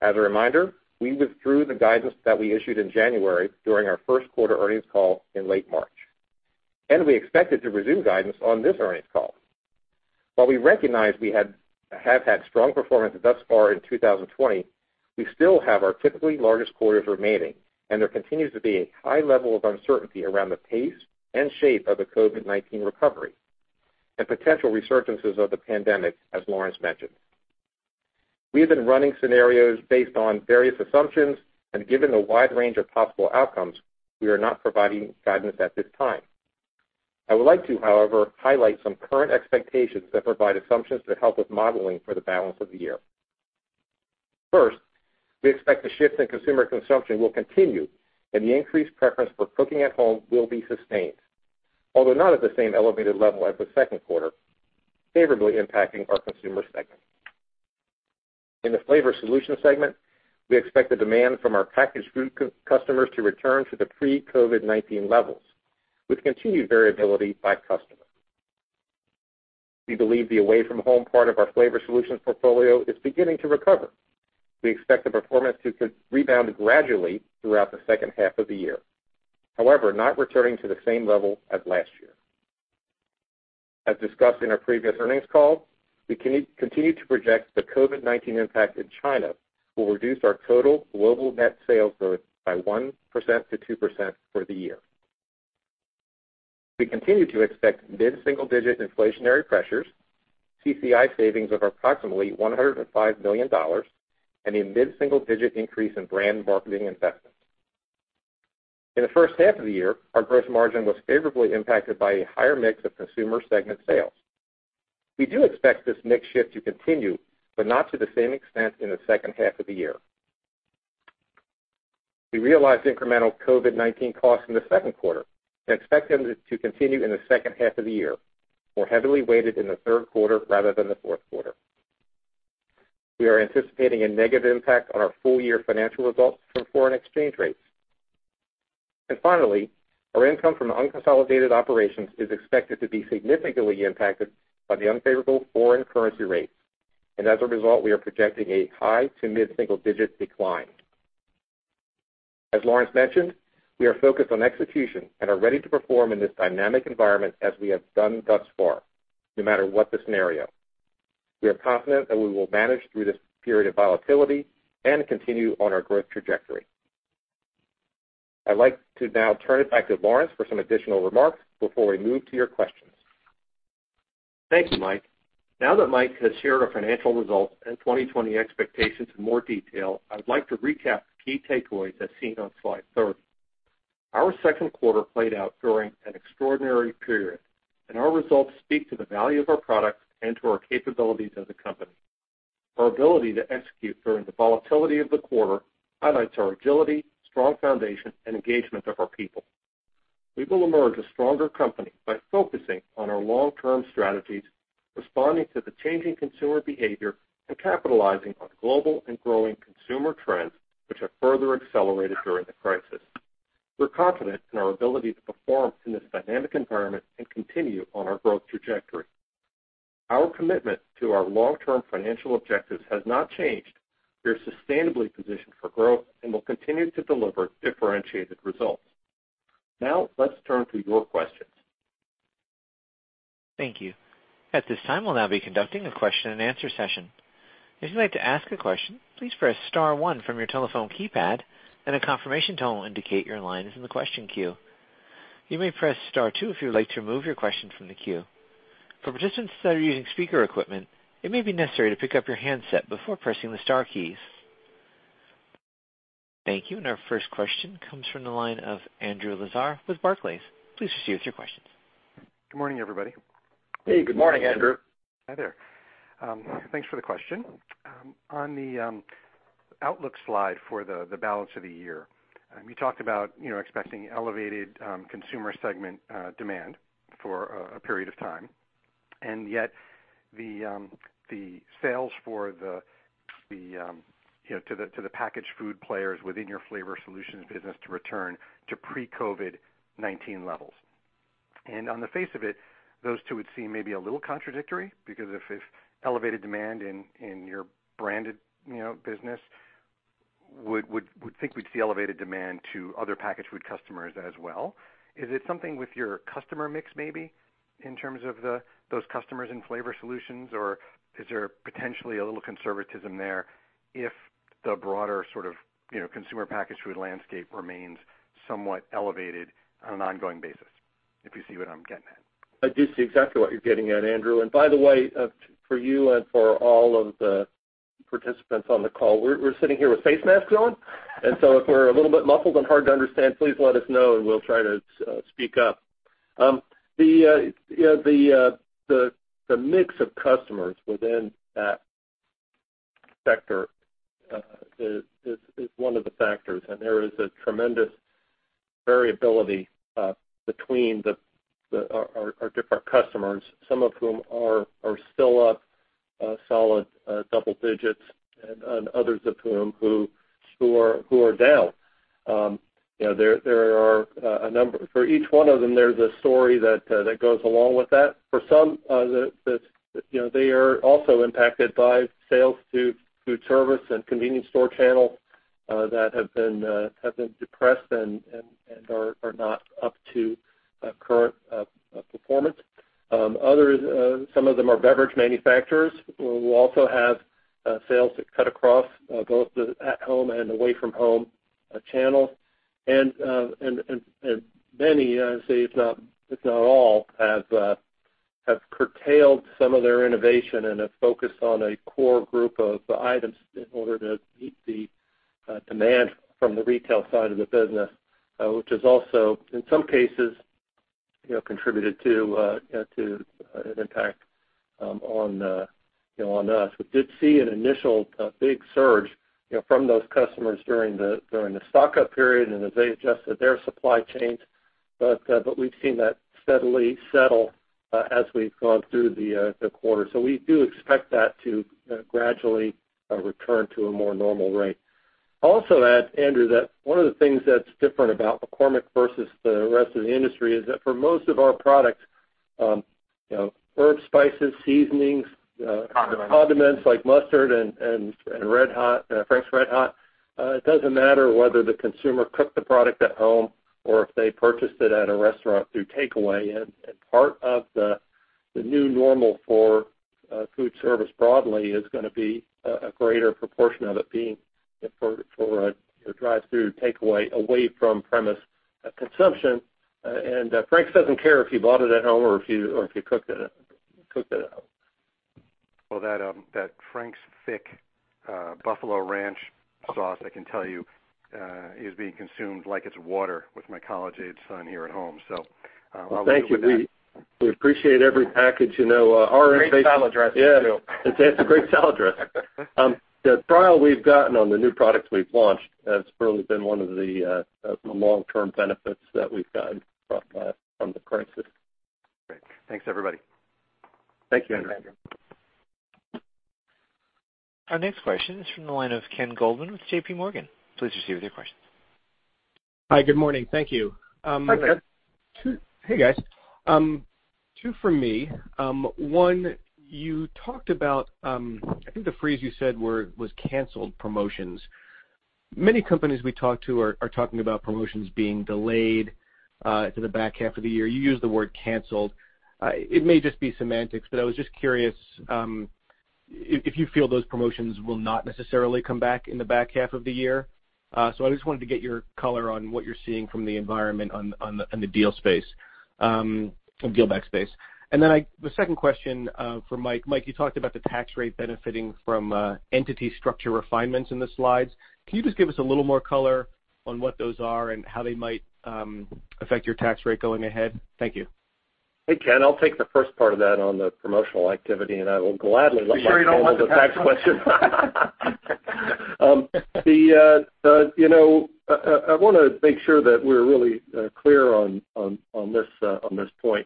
As a reminder, we withdrew the guidance that we issued in January during our first quarter earnings call in late March, and we expected to resume guidance on this earnings call. While we recognize we have had strong performance thus far in 2020, we still have our typically largest quarters remaining, and there continues to be a high level of uncertainty around the pace and shape of the COVID-19 recovery and potential resurgences of the pandemic, as Lawrence mentioned. We have been running scenarios based on various assumptions, and given the wide range of possible outcomes, we are not providing guidance at this time. I would like to, however, highlight some current expectations that provide assumptions to help with modeling for the balance of the year. First, we expect the shifts in consumer consumption will continue and the increased preference for cooking at home will be sustained, although not at the same elevated level as the second quarter, favorably impacting our Consumer segment. In the Flavor Solutions segment, we expect the demand from our packaged food customers to return to the pre-COVID-19 levels with continued variability by customer. We believe the away from home part of our Flavor Solutions portfolio is beginning to recover. We expect the performance to rebound gradually throughout the second half of the year, however, not returning to the same level as last year. As discussed in our previous earnings call, we continue to project the COVID-19 impact in China will reduce our total global net sales growth by 1%-2% for the year. We continue to expect mid-single-digit inflationary pressures, CCI savings of approximately $105 million, and a mid-single-digit increase in brand marketing investments. In the first half of the year, our gross margin was favorably impacted by a higher mix of consumer segment sales. We do expect this mix shift to continue, but not to the same extent in the second half of the year. We realized incremental COVID-19 costs in the second quarter and expect them to continue in the second half of the year, more heavily weighted in the third quarter rather than the fourth quarter. We are anticipating a negative impact on our full year financial results from foreign exchange rates. Finally, our income from unconsolidated operations is expected to be significantly impacted by the unfavorable foreign currency rates, and as a result, we are projecting a high to mid-single digit decline. As Lawrence mentioned, we are focused on execution and are ready to perform in this dynamic environment as we have done thus far, no matter what the scenario. We are confident that we will manage through this period of volatility and continue on our growth trajectory. I'd like to now turn it back to Lawrence for some additional remarks before we move to your questions. Thank you, Mike. Now that Mike has shared our financial results and 2020 expectations in more detail, I would like to recap the key takeaways as seen on slide 30. Our second quarter played out during an extraordinary period, and our results speak to the value of our products and to our capabilities as a company. Our ability to execute during the volatility of the quarter highlights our agility, strong foundation, and engagement of our people. We will emerge a stronger company by focusing on our long-term strategies, responding to the changing consumer behavior, and capitalizing on global and growing consumer trends, which have further accelerated during the crisis. We're confident in our ability to perform in this dynamic environment and continue on our growth trajectory. Our commitment to our long-term financial objectives has not changed. We are sustainably positioned for growth and will continue to deliver differentiated results. Now, let's turn to your questions. Thank you. At this time, we'll now be conducting a question and answer session. If you'd like to ask a question, please press star one from your telephone keypad, and a confirmation tone will indicate your line is in the question queue. You may press star two if you would like to remove your question from the queue. For participants that are using speaker equipment, it may be necessary to pick up your handset before pressing the star keys. Thank you. Our first question comes from the line of Andrew Lazar with Barclays. Please proceed with your questions. Good morning, everybody. Hey, good morning, Andrew. Hi there. Thanks for the question. On the outlook slide for the balance of the year, you talked about expecting elevated consumer segment demand for a period of time, yet the sales to the packaged food players within your Flavor Solutions business to return to pre-COVID-19 levels. On the face of it, those two would seem maybe a little contradictory, because if elevated demand in your branded business, would think we'd see elevated demand to other packaged food customers as well. Is it something with your customer mix, maybe, in terms of those customers in Flavor Solutions, or is there potentially a little conservatism there if the broader sort of consumer packaged food landscape remains somewhat elevated on an ongoing basis? If you see what I'm getting at. I do see exactly what you're getting at, Andrew. By the way, for you and for all of the participants on the call, we're sitting here with face masks on, if we're a little bit muffled and hard to understand, please let us know, and we'll try to speak up. The mix of customers within that sector is one of the factors, there is a tremendous variability between our different customers, some of whom are still up solid double digits, and others of whom who are down. For each one of them, there's a story that goes along with that. For some, they are also impacted by sales to food service and convenience store channels that have been depressed and are not up to current performance. Others, some of them are beverage manufacturers who also have sales that cut across both the at-home and away-from-home channels. Many, I would say if not all, have curtailed some of their innovation and have focused on a core group of items in order to meet the demand from the retail side of the business, which has also, in some cases, contributed to an impact on us. We did see an initial big surge from those customers during the stock-up period and as they adjusted their supply chains, but we've seen that steadily settle as we've gone through the quarter. We do expect that to gradually return to a more normal rate. Andrew, one of the things that's different about McCormick versus the rest of the industry is that for most of our products, herbs, spices, seasonings- Condiments. Condiments like mustard and Frank's RedHot, it doesn't matter whether the consumer cooked the product at home or if they purchased it at a restaurant through takeaway. Part of the new normal for food service broadly is gonna be a greater proportion of it being for a drive-thru takeaway, away from premise consumption, and Frank's doesn't care if you bought it at home or if you cooked it at home. Well, that Frank's Thick Buffalo Ranch Sauce, I can tell you, is being consumed like it's water with my college-aged son here at home, so I'll leave it with that. Thank you. We appreciate every package. Our innovation. Great salad dressing, too. Yeah. It's a great salad dressing. The trial we've gotten on the new products we've launched has really been one of the long-term benefits that we've gotten from the crisis. Great. Thanks, everybody. Thank you, Andrew. Our next question is from the line of Ken Goldman with JPMorgan. Please proceed with your question. Hi, good morning. Thank you. Hi, Ken. Hey, guys. Two from me. One, you talked about, I think the phrase you said was canceled promotions. Many companies we talk to are talking about promotions being delayed to the back half of the year. You used the word canceled. It may just be semantics, I was just curious if you feel those promotions will not necessarily come back in the back half of the year. I just wanted to get your color on what you're seeing from the environment on the deal space. From [deal-back space] The second question for Mike. Mike, you talked about the tax rate benefiting from entity structure refinements in the slides. Can you just give us a little more color on what those are and how they might affect your tax rate going ahead? Thank you. Hey, Ken. I'll take the first part of that on the promotional activity, and I will gladly let Mike handle the tax question. I want to make sure that we're really clear on this point.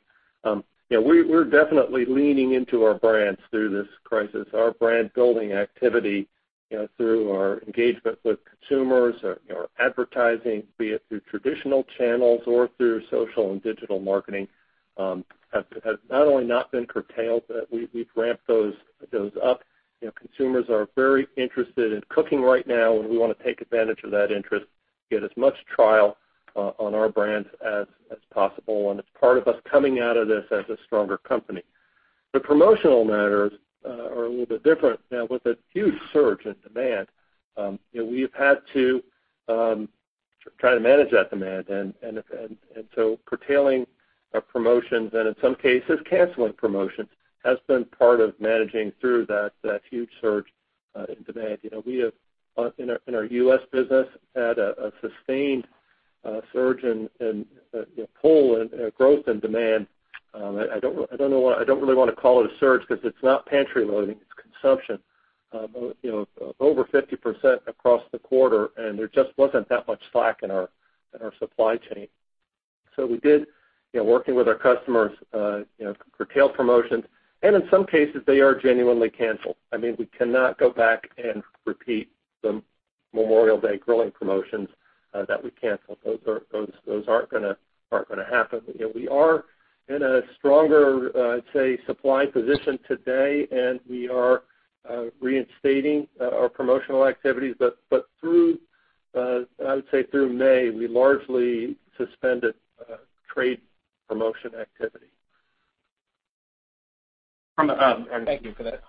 We're definitely leaning into our brands through this crisis, our brand-building activity through our engagement with consumers, our advertising, be it through traditional channels or through social and digital marketing, has not only not been curtailed, but we've ramped those up. Consumers are very interested in cooking right now, and we want to take advantage of that interest to get as much trial on our brands as possible. It's part of us coming out of this as a stronger company. The promotional matters are a little bit different. With a huge surge in demand, we've had to try to manage that demand, curtailing our promotions and in some cases canceling promotions has been part of managing through that huge surge in demand. We have, in our U.S. business, had a sustained surge in pull and growth in demand. I don't really want to call it a surge because it's not pantry loading, it's consumption up over 50% across the quarter, there just wasn't that much slack in our supply chain. We did, working with our customers, curtail promotions, in some cases, they are genuinely canceled. We cannot go back and repeat the Memorial Day grilling promotions that we canceled. Those aren't going to happen. We are in a stronger, I'd say, supply position today, we are reinstating our promotional activities. I would say through May, we largely suspended trade promotion activity. Thank you for that.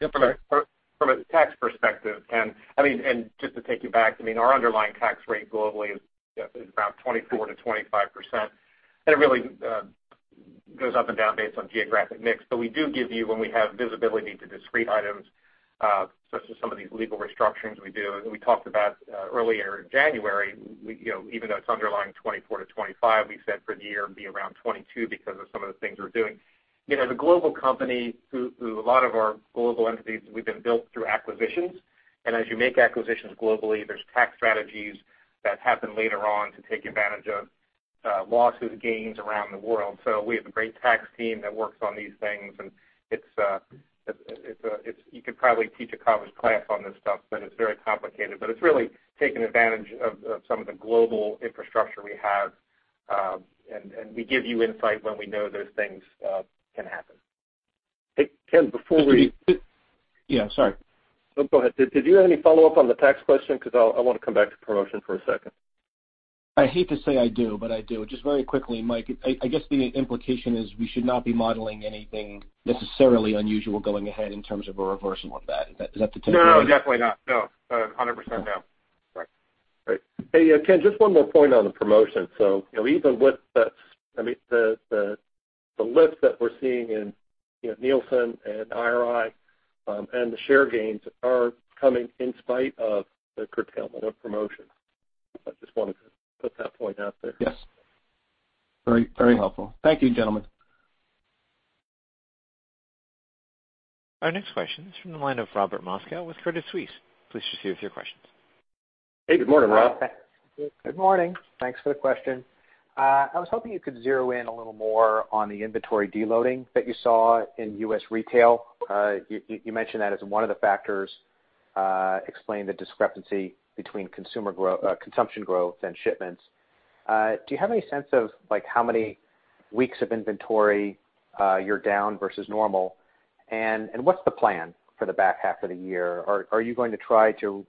Yep, sorry. From a tax perspective, Ken, and just to take you back, our underlying tax rate globally is about 24%-25%, and it really goes up and down based on geographic mix. We do give you, when we have visibility to discrete items, such as some of these legal restructurings we do. We talked about earlier in January, even though it's underlying 24%-25%, we said for the year it'd be around 22% because of some of the things we're doing. As a global company, through a lot of our global entities, we've been built through acquisitions. As you make acquisitions globally, there's tax strategies that happen later on to take advantage of losses, gains around the world. We have a great tax team that works on these things, and you could probably teach a college class on this stuff, but it's very complicated. It's really taking advantage of some of the global infrastructure we have. We give you insight when we know those things can happen. Hey, Ken, before we- Yeah, sorry. No, go ahead. Did you have any follow-up on the tax question? I want to come back to promotion for a second. I hate to say I do, but I do. Just very quickly, Mike, I guess the implication is we should not be modeling anything necessarily unusual going ahead in terms of a reversal of that. Is that the takeaway? No, definitely not. No. 100% no. Right. Great. Hey, Ken, just one more point on the promotion. Even with the lift that we're seeing in Nielsen and IRI, and the share gains are coming in spite of the curtailment of promotions. I just wanted to put that point out there. Yes. Very helpful. Thank you, gentlemen. Our next question is from the line of Robert Moskow with Credit Suisse. Please proceed with your questions. Hey, good morning, Rob. Good morning. Thanks for the question. I was hoping you could zero in a little more on the inventory deloading that you saw in U.S. retail. You mentioned that as one of the factors explaining the discrepancy between consumption growth and shipments. Do you have any sense of how many weeks of inventory you're down versus normal? What's the plan for the back half of the year? Are you going to try to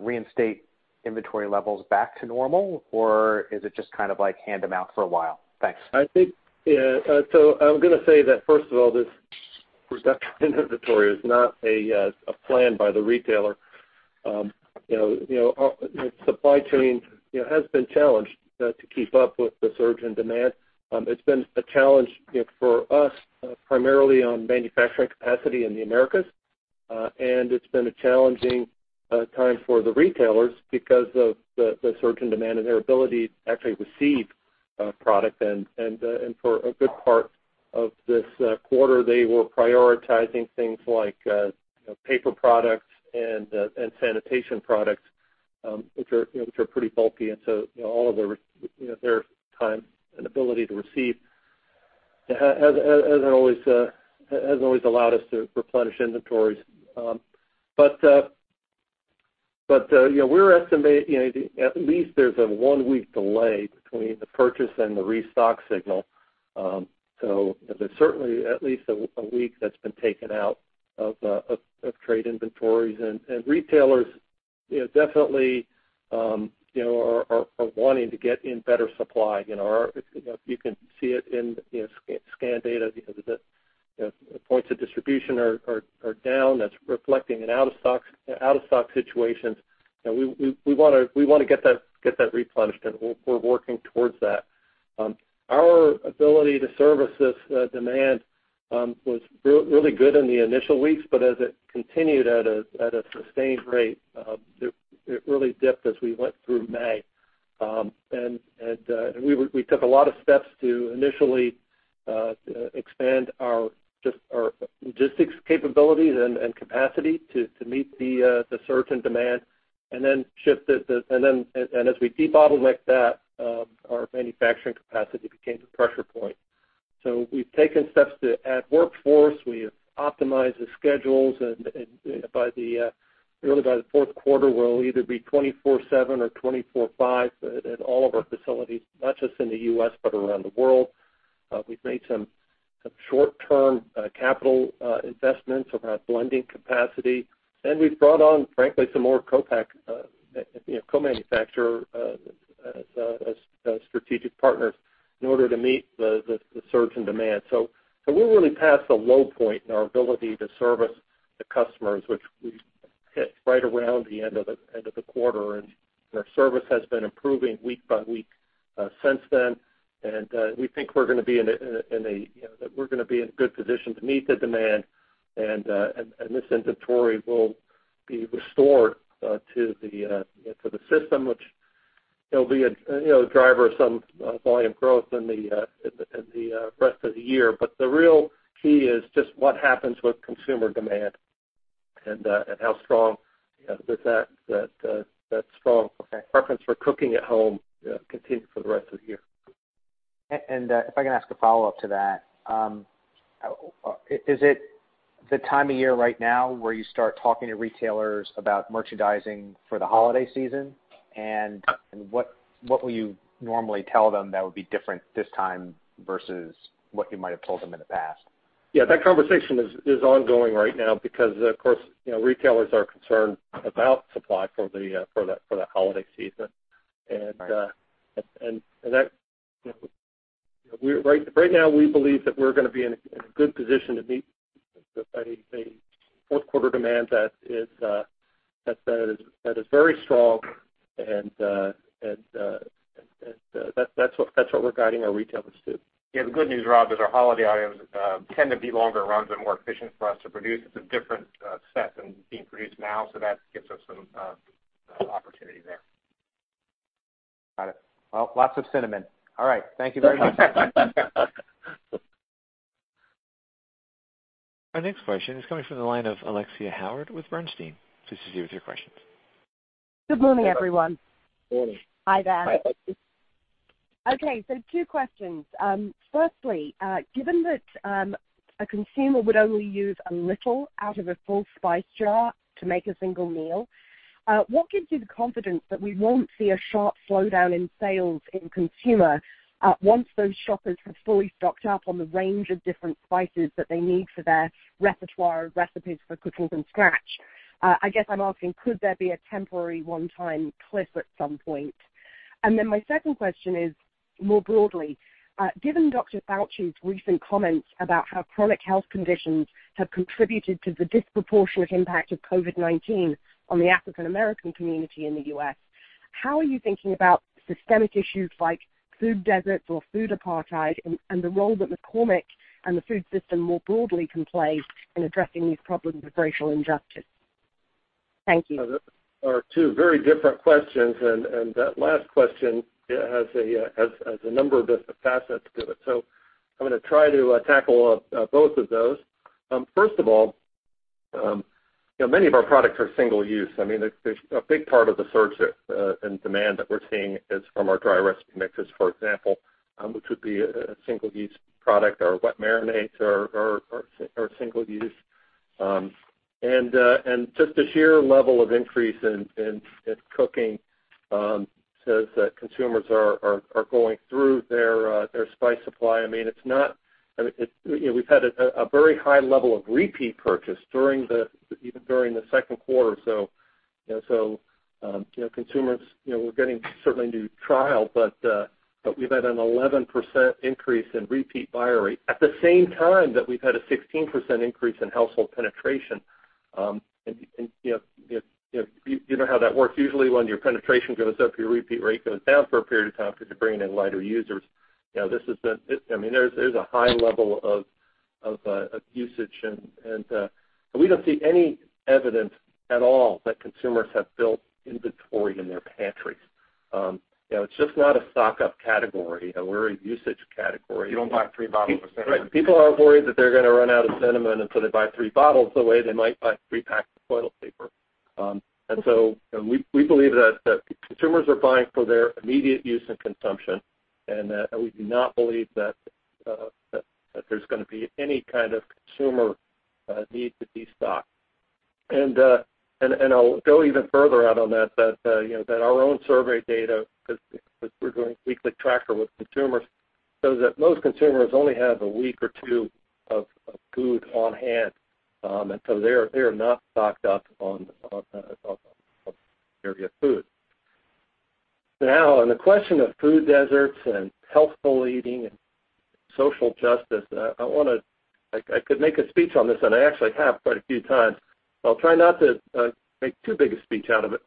reinstate inventory levels back to normal, or is it just kind of like hand them out for a while? Thanks. I'm going to say that, first of all, this reduction in inventory is not a plan by the retailer. Supply chain has been challenged to keep up with the surge in demand. It's been a challenge for us, primarily on manufacturing capacity in the Americas. It's been a challenging time for the retailers because of the surge in demand and their ability to actually receive product. For a good part of this quarter, they were prioritizing things like paper products and sanitation products, which are pretty bulky. All of their time and ability to receive hasn't always allowed us to replenish inventories. We're estimating at least there's a one-week delay between the purchase and the restock signal. There's certainly at least a week that's been taken out of trade inventories. Retailers definitely are wanting to get in better supply. You can see it in scan data. The points of distribution are down. That's reflecting in out-of-stock situations. We want to get that replenished, and we're working towards that. Our ability to service this demand was really good in the initial weeks, but as it continued at a sustained rate, it really dipped as we went through May. We took a lot of steps to initially expand our logistics capabilities and capacity to meet the surge in demand. As we debottlenecked that, our manufacturing capacity became the pressure point. We've taken steps to add workforce. We have optimized the schedules, and by the fourth quarter, we'll either be 24/7 or 24/5 at all of our facilities, not just in the U.S. but around the world. We've made some short-term capital investments in our blending capacity, and we've brought on, frankly, some more co-manufacturers as strategic partners in order to meet the surge in demand. We're really past the low point in our ability to service the customers, which we hit right around the end of the quarter, and our service has been improving week by week since then. We think that we're going to be in a good position to meet the demand, and this inventory will be restored to the system, which will be a driver of some volume growth in the rest of the year. The real key is just what happens with consumer demand and how strong that strong preference for cooking at home continues for the rest of the year. If I can ask a follow-up to that, is it the time of year right now where you start talking to retailers about merchandising for the holiday season? What will you normally tell them that would be different this time versus what you might have told them in the past? Yeah, that conversation is ongoing right now because, of course, retailers are concerned about supply for the holiday season. Right. Right now, we believe that we're going to be in a good position to meet any fourth quarter demand that is very strong, and that's what we're guiding our retailers to. Yeah, the good news, Rob, is our holiday items tend to be longer runs and more efficient for us to produce. It's a different set than being produced now. That gives us some opportunity there. Got it. Well, lots of cinnamon. All right. Thank you very much. Our next question is coming from the line of Alexia Howard with Bernstein. Please proceed with your questions. Good morning, everyone. Morning. Hi there. Hi, Alexia. Two questions. Firstly, given that a consumer would only use a little out of a full spice jar to make a single meal, what gives you the confidence that we won't see a sharp slowdown in sales in consumer once those shoppers have fully stocked up on the range of different spices that they need for their repertoire of recipes for cooking from scratch? I guess I'm asking, could there be a temporary one-time cliff at some point? My second question is more broadly, given Dr. Fauci's recent comments about how chronic health conditions have contributed to the disproportionate impact of COVID-19 on the African American community in the U.S., how are you thinking about systemic issues like food deserts or food apartheid and the role that McCormick and the food system more broadly can play in addressing these problems of racial injustice? Thank you. Those are two very different questions, and that last question has a number of facets to it. I'm going to try to tackle both of those. First of all, many of our products are single use. I mean, there's a big part of the surge in demand that we're seeing is from our dry recipe mixes, for example, which would be a single-use product, or wet marinades are single use. Just the sheer level of increase in cooking says that consumers are going through their spice supply. I mean, we've had a very high level of repeat purchase even during the second quarter. Consumers, we're getting certainly new trial, but we've had an 11% increase in repeat buy rate at the same time that we've had a 16% increase in household penetration. You know how that works. Usually, when your penetration goes up, your repeat rate goes down for a period of time because you're bringing in lighter users. There's a high level of usage, and we don't see any evidence at all that consumers have built inventory in their pantries. It's just not a stock-up category. We're a usage category. You don't buy three bottles of cinnamon. Right. People aren't worried that they're going to run out of cinnamon, they buy three bottles the way they might buy three packs of toilet paper. We believe that consumers are buying for their immediate use and consumption, and we do not believe that there's going to be any kind of consumer need to de-stock. I'll go even further out on that our own survey data, because we're doing weekly tracker with consumers, shows that most consumers only have a week or two of food on hand. They are not stocked up on their food. Now, on the question of food deserts and healthful eating and social justice, I could make a speech on this, and I actually have quite a few times. I'll try not to make too big a speech out of it.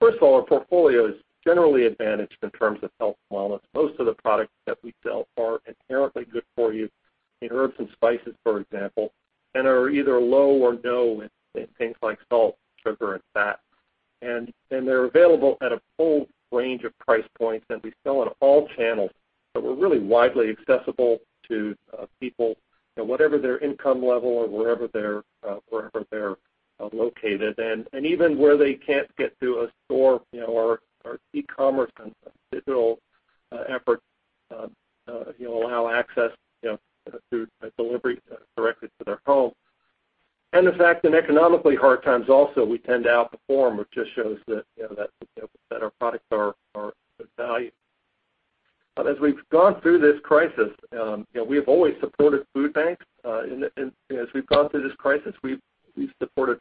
First of all, our portfolio is generally advantaged in terms of health and wellness. Most of the products that we sell are inherently good for you, in herbs and spices, for example, and are either low or no in things like salt, sugar, and fat. They're available at a full range of price points, and we sell in all channels. We're really widely accessible to people, whatever their income level or wherever they're located. Even where they can't get to a store or e-commerce, our digital efforts allow access through delivery directly to their home. The fact in economically hard times also, we tend to outperform, which just shows that our products are good value. As we've gone through this crisis, we have always supported food banks. As we've gone through this crisis, we've supported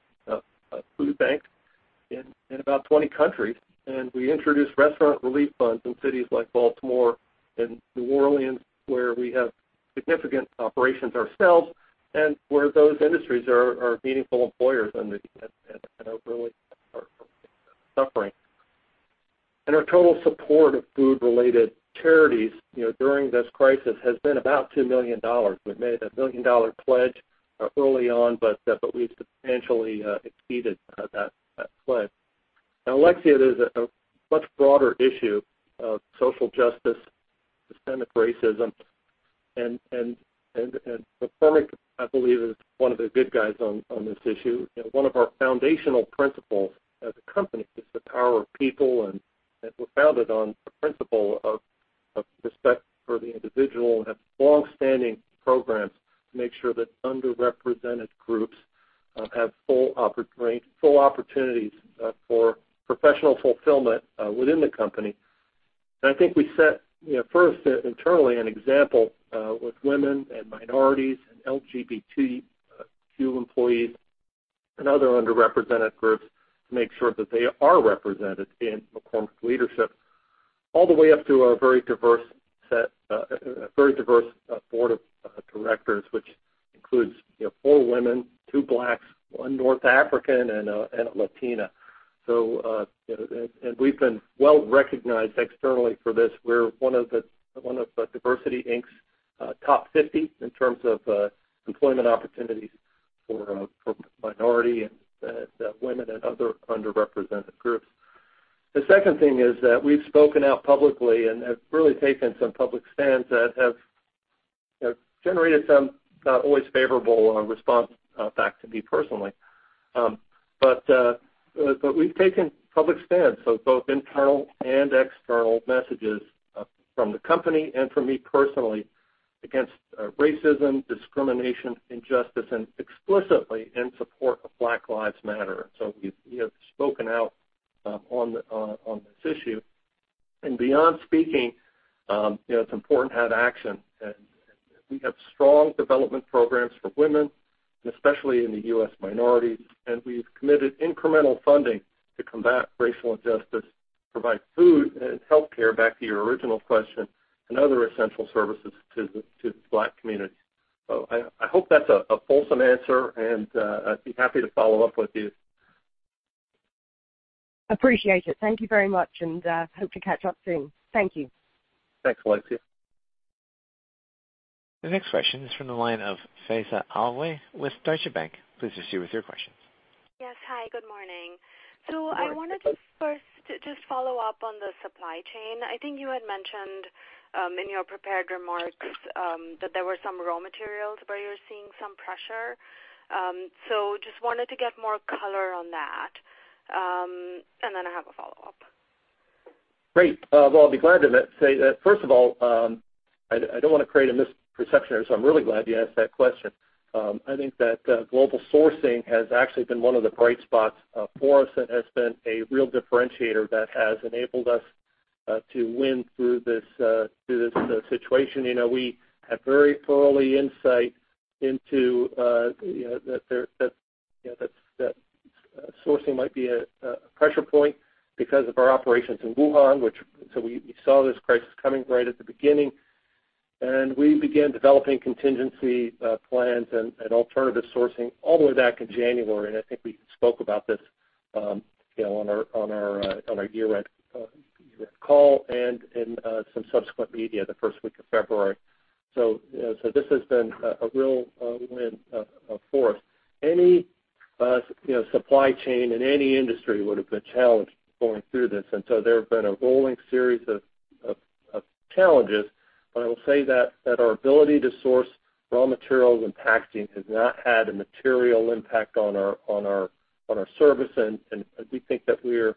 food banks in about 20 countries, and we introduced restaurant relief funds in cities like Baltimore and New Orleans, where we have significant operations ourselves and where those industries are meaningful employers and really are suffering. Our total support of food-related charities during this crisis has been about $2 million. We made a $1 million pledge early on, but we've substantially exceeded that pledge. Now, Alexia, there's a much broader issue of social justice, systemic racism, and McCormick, I believe, is one of the good guys on this issue. One of our foundational principles as a company is the power of people, and we're founded on the principle of respect for the individual. We have long-standing programs to make sure that underrepresented groups have full opportunities for professional fulfillment within the company. I think we set, first internally, an example with women and minorities and LGBTQ employees and other underrepresented groups to make sure that they are represented in McCormick's leadership, all the way up to our very diverse board of directors, which includes four women, two Blacks, one North African, and a Latina. We've been well-recognized externally for this. We're one of DiversityInc's top 50 in terms of employment opportunities for minority and women and other underrepresented groups. The second thing is that we've spoken out publicly and have really taken some public stands that have generated some not always favorable response back to me personally. We've taken public stands, so both internal and external messages from the company and from me personally against racism, discrimination, injustice, and explicitly in support of Black Lives Matter. We have spoken out on this issue. Beyond speaking, it's important to have action, and we have strong development programs for women, and especially in the U.S., minorities, and we've committed incremental funding to combat racial injustice, provide food and healthcare, back to your original question, and other essential services to the Black community. I hope that's a fulsome answer, and I'd be happy to follow up with you. Appreciate it. Thank you very much, and hope to catch up soon. Thank you. Thanks, Alexia. The next question is from the line of Faiza Alwy with Deutsche Bank. Please proceed with your question. Yes. Hi, good morning. Good morning, Faiza. I wanted to first just follow up on the supply chain. I think you had mentioned in your prepared remarks that there were some raw materials where you're seeing some pressure. Just wanted to get more color on that. Then I have a follow-up. Great. Well, I'll be glad to say that, first of all, I don't want to create a misperception here, so I'm really glad you asked that question. I think that global sourcing has actually been one of the bright spots for us and has been a real differentiator that has enabled us to win through this situation. We had very thoroughly insight into that sourcing might be a pressure point because of our operations in Wuhan. We saw this crisis coming right at the beginning. We began developing contingency plans and alternative sourcing all the way back in January. I think we spoke about this on our year-end call and in some subsequent media the first week of February. This has been a real win for us. Any supply chain in any industry would have been challenged going through this, and so there have been a rolling series of challenges. I will say that our ability to source raw materials and packaging has not had a material impact on our service, and we think that we're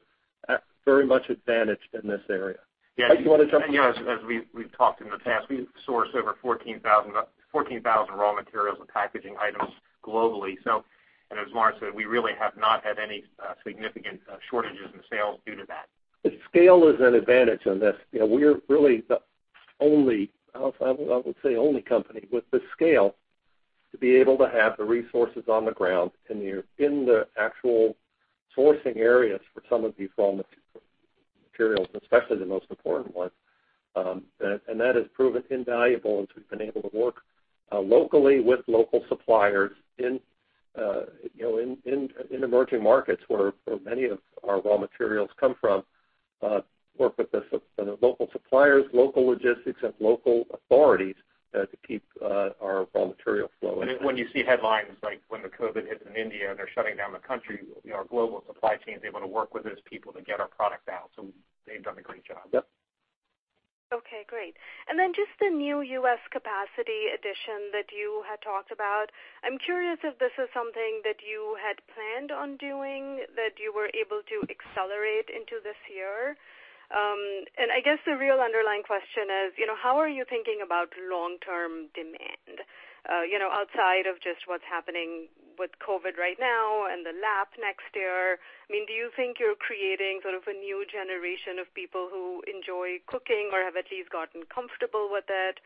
very much advantaged in this area. Mike, do you want to jump in? Yeah. As we've talked in the past, we source over 14,000 raw materials and packaging items globally. As Lawrence said, we really have not had any significant shortages in sales due to that. The scale is an advantage in this. We're really the only, I would say, only company with the scale to be able to have the resources on the ground in the actual sourcing areas for some of these raw materials, especially the most important ones. That has proven invaluable as we've been able to work locally with local suppliers in emerging markets where many of our raw materials come from, work with the local suppliers, local logistics, and local authorities to keep our raw material flowing. When you see headlines, like when the COVID hits in India and they're shutting down the country, our global supply chain is able to work with those people to get our product out. They've done a great job. Yep. Okay, great. Then just the new U.S. capacity addition that you had talked about, I'm curious if this is something that you had planned on doing, that you were able to accelerate into this year. I guess the real underlying question is, how are you thinking about long-term demand, outside of just what's happening with COVID right now and the lap next year? Do you think you're creating sort of a new generation of people who enjoy cooking or have at least gotten comfortable with it?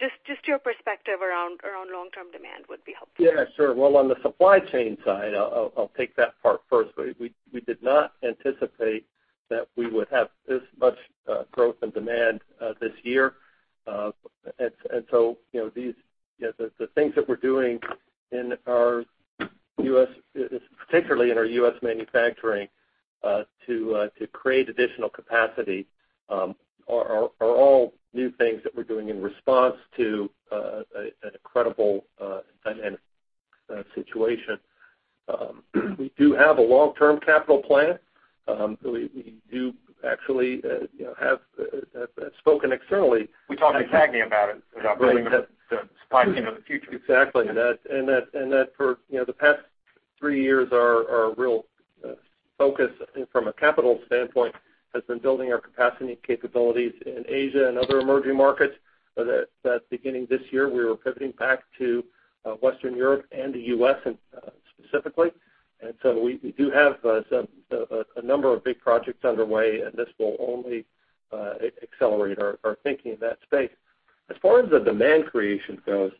Just your perspective around long-term demand would be helpful. Yeah, sure. Well, on the supply chain side, I'll take that part first. We did not anticipate that we would have this much growth and demand this year. The things that we're doing, particularly in our U.S. manufacturing to create additional capacity, are all new things that we're doing in response to an incredible situation. We do have a long-term capital plan. We do actually have spoken externally. We talked to CAGNY about it, about building the supply chain of the future. Exactly. That for the past three years, our real focus from a capital standpoint has been building our capacity capabilities in Asia and other emerging markets, that beginning this year, we were pivoting back to Western Europe and the U.S. specifically. We do have a number of big projects underway, and this will only accelerate our thinking in that space. As far as the demand creation goes,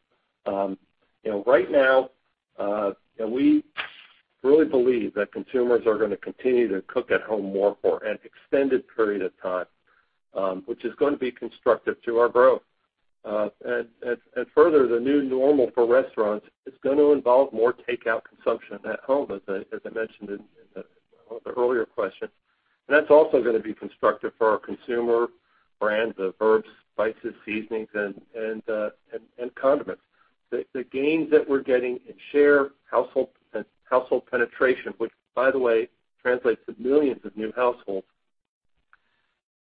right now we really believe that consumers are going to continue to cook at home more for an extended period of time, which is going to be constructive to our growth. Further, the new normal for restaurants is going to involve more takeout consumption at home, as I mentioned in the earlier question, and that's also going to be constructive for our consumer brands, the herbs, spices, seasonings, and condiments. The gains that we're getting in share, household penetration, which by the way, translates to millions of new households,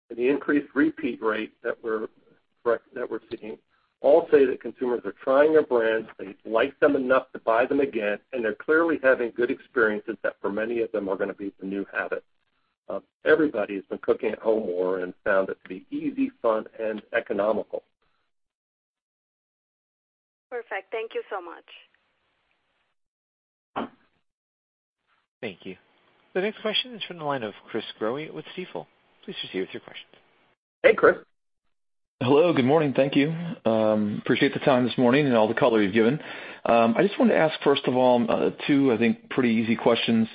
and the increased repeat rate that we're seeing, all say that consumers are trying our brands, they like them enough to buy them again, and they're clearly having good experiences that for many of them are going to be some new habits. Everybody has been cooking at home more and found it to be easy, fun, and economical. Perfect. Thank you so much. Thank you. The next question is from the line of Chris Growe with Stifel. Please proceed with your question. Hey, Chris. Hello, good morning. Thank you. Appreciate the time this morning and all the color you've given. I just wanted to ask, first of all, two, I think, pretty easy questions.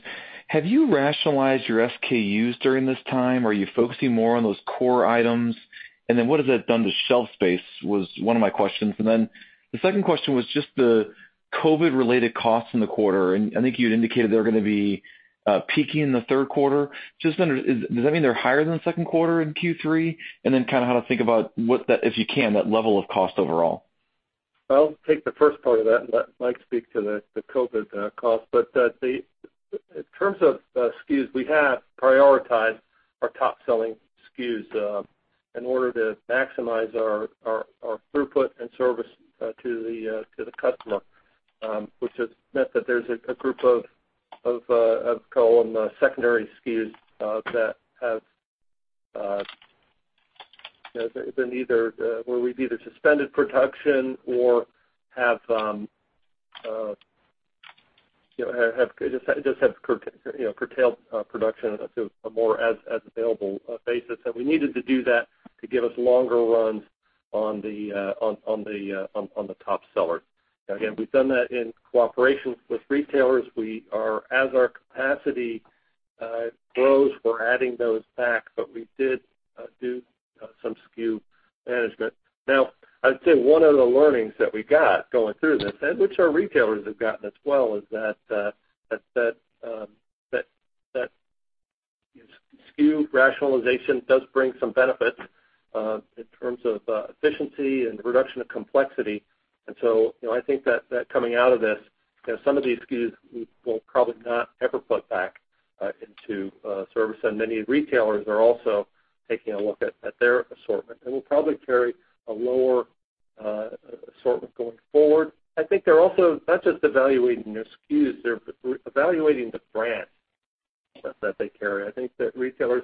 Have you rationalized your SKUs during this time? Are you focusing more on those core items? What has that done to shelf space, was one of my questions. The second question was just the COVID-related costs in the quarter, and I think you had indicated they're going to be peaking in the third quarter. Just wondering, does that mean they're higher than the second quarter in Q3? Kind of how to think about, if you can, that level of cost overall. I'll take the first part of that and let Mike speak to the COVID cost. In terms of SKUs, we have prioritized our top-selling SKUs in order to maximize our throughput and service to the customer, which has meant that there's a group of, call them secondary SKUs, where we've either suspended production or just have curtailed production to a more as available basis. We needed to do that to give us longer runs on the top sellers. Again, we've done that in cooperation with retailers. As our capacity grows, we're adding those back, but we did do some SKU management. I'd say one of the learnings that we got going through this, and which our retailers have gotten as well, is that SKU rationalization does bring some benefits in terms of efficiency and reduction of complexity. I think that coming out of this, some of these SKUs we will probably not ever put back into service. Many retailers are also taking a look at their assortment and will probably carry a lower assortment going forward. I think they're also not just evaluating their SKUs, they're evaluating the brands that they carry. I think that retailers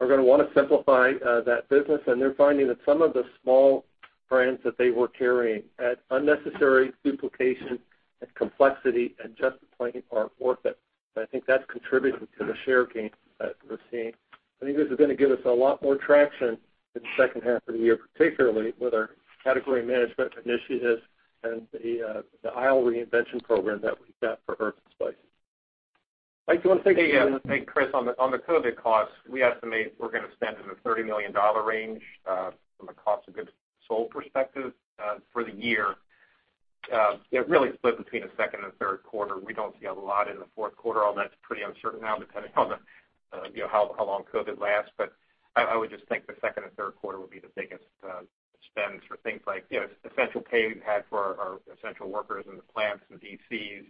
are going to want to simplify that business, and they're finding that some of the small brands that they were carrying add unnecessary duplication and complexity and just plain aren't worth it. I think that's contributed to the share gains that we're seeing. I think this is gonna give us a lot more traction in the second half of the year, particularly with our category management initiatives and the Aisle Reinvention Program that we've got for herbs and spices. Mike, do you want to take- Hey, Chris, on the COVID costs, we estimate we're gonna spend in the $30 million range, from a cost of goods sold perspective, for the year. It really split between the second and third quarter. We don't see a lot in the fourth quarter, although that's pretty uncertain now, depending on how long COVID lasts. I would just think the second and third quarter would be the biggest spends for things like essential pay we've had for our essential workers in the plants and DCs,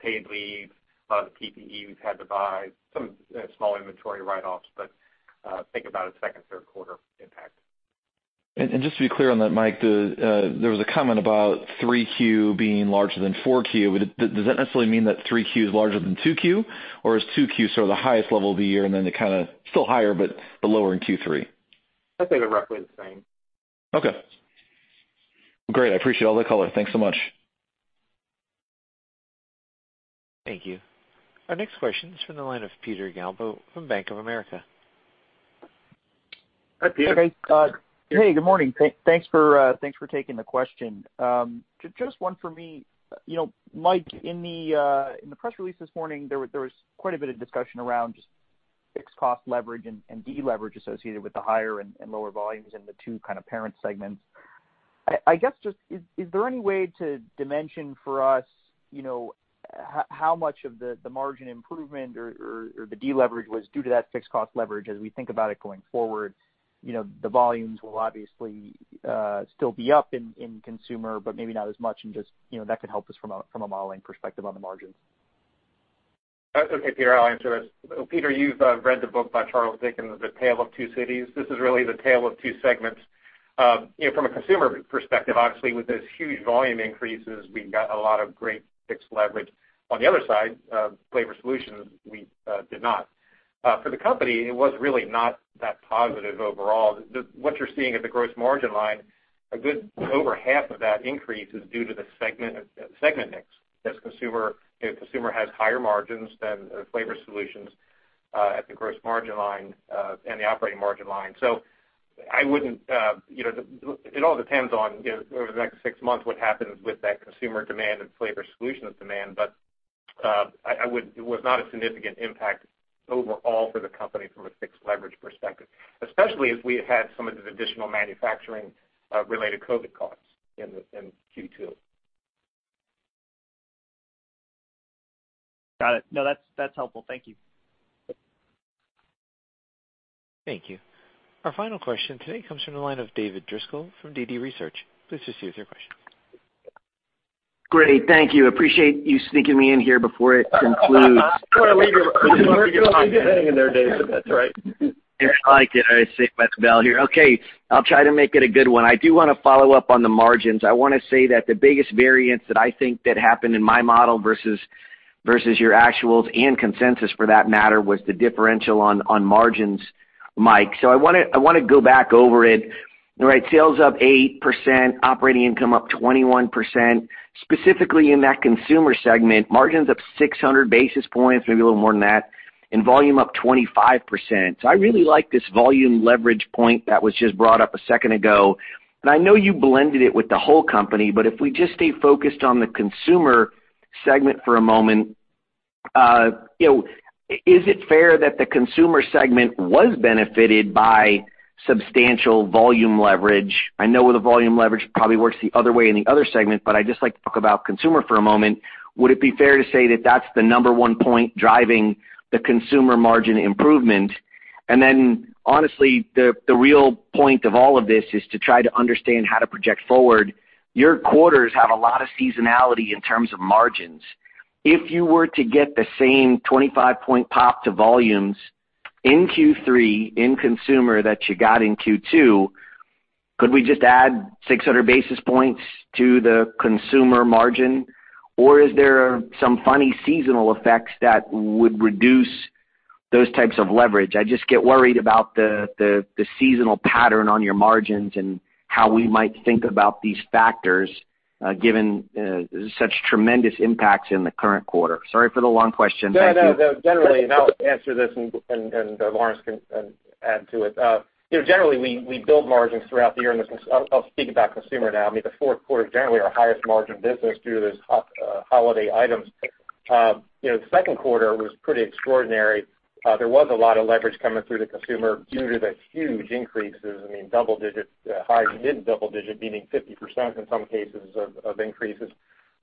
paid leave, a lot of the PPE we've had to buy, some small inventory write-offs. Think about a second, third quarter impact. Just to be clear on that, Mike, there was a comment about 3Q being larger than 4Q. Does that necessarily mean that 3Q is larger than 2Q, or is 2Q sort of the highest level of the year and then they kind of still higher but lower in Q3? I'd say they're roughly the same. Okay. Great, I appreciate all the color. Thanks so much. Thank you. Our next question is from the line of Peter Galbo from Bank of America. Hi, Peter. Hey, good morning. Thanks for taking the question. Just one for me. Mike, in the press release this morning, there was quite a bit of discussion around just fixed cost leverage and de-leverage associated with the higher and lower volumes in the two kind of parent segments. I guess, just is there any way to dimension for us, how much of the margin improvement or the de-leverage was due to that fixed cost leverage as we think about it going forward? The volumes will obviously still be up in consumer, but maybe not as much and just, that could help us from a modeling perspective on the margins. Okay, Peter, I'll answer this. Peter, you've read the book by Charles Dickens, "A Tale of Two Cities." This is really the tale of two segments. From a consumer perspective, obviously, with those huge volume increases, we've got a lot of great fixed leverage. On the other side, Flavor Solutions, we did not. For the company, it was really not that positive overall. What you're seeing at the gross margin line, a good over half of that increase is due to the segment mix, because consumer has higher margins than Flavor Solutions, at the gross margin line, and the operating margin line. It all depends on, over the next six months, what happens with that consumer demand and Flavor Solutions demand. It was not a significant impact overall for the company from a fixed leverage perspective, especially as we had some of the additional manufacturing related COVID costs in Q2. Got it. No, that's helpful. Thank you. Thank you. Our final question today comes from the line of David Driscoll from DD Research. Please proceed with your question. Great. Thank you. Appreciate you sneaking me in here before it concludes. We're gonna leave you hanging there, David. That's right. I like it. I save by the bell here. Okay, I'll try to make it a good one. I do wanna follow up on the margins. I wanna say that the biggest variance that I think that happened in my model versus your actuals and consensus for that matter, was the differential on margins, Mike. I wanna go back over it. All right, sales up 8%, operating income up 21%. Specifically in that consumer segment, margins up 600 basis points, maybe a little more than that, and volume up 25%. I really like this volume leverage point that was just brought up a second ago. I know you blended it with the whole company, but if we just stay focused on the consumer segment for a moment, is it fair that the consumer segment was benefited by substantial volume leverage? I know the volume leverage probably works the other way in the other segment, but I'd just like to talk about consumer for a moment. Would it be fair to say that that's the number one point driving the consumer margin improvement? Honestly, the real point of all of this is to try to understand how to project forward. Your quarters have a lot of seasonality in terms of margins. If you were to get the same 25-point pop to volumes in Q3 in consumer that you got in Q2, could we just add 600 basis points to the consumer margin? Is there some funny seasonal effects that would reduce those types of leverage? I just get worried about the seasonal pattern on your margins and how we might think about these factors, given such tremendous impacts in the current quarter. Sorry for the long question. Thank you. No, generally, and I'll answer this and Lawrence can add to it. Generally, we build margins throughout the year, and I mean, I'll speak about consumer now. The fourth quarter, generally our highest margin business due to those holiday items. The second quarter was pretty extraordinary. There was a lot of leverage coming through to consumer due to the huge increases, I mean, double digits, high to mid-double digit, meaning 50% in some cases of increases.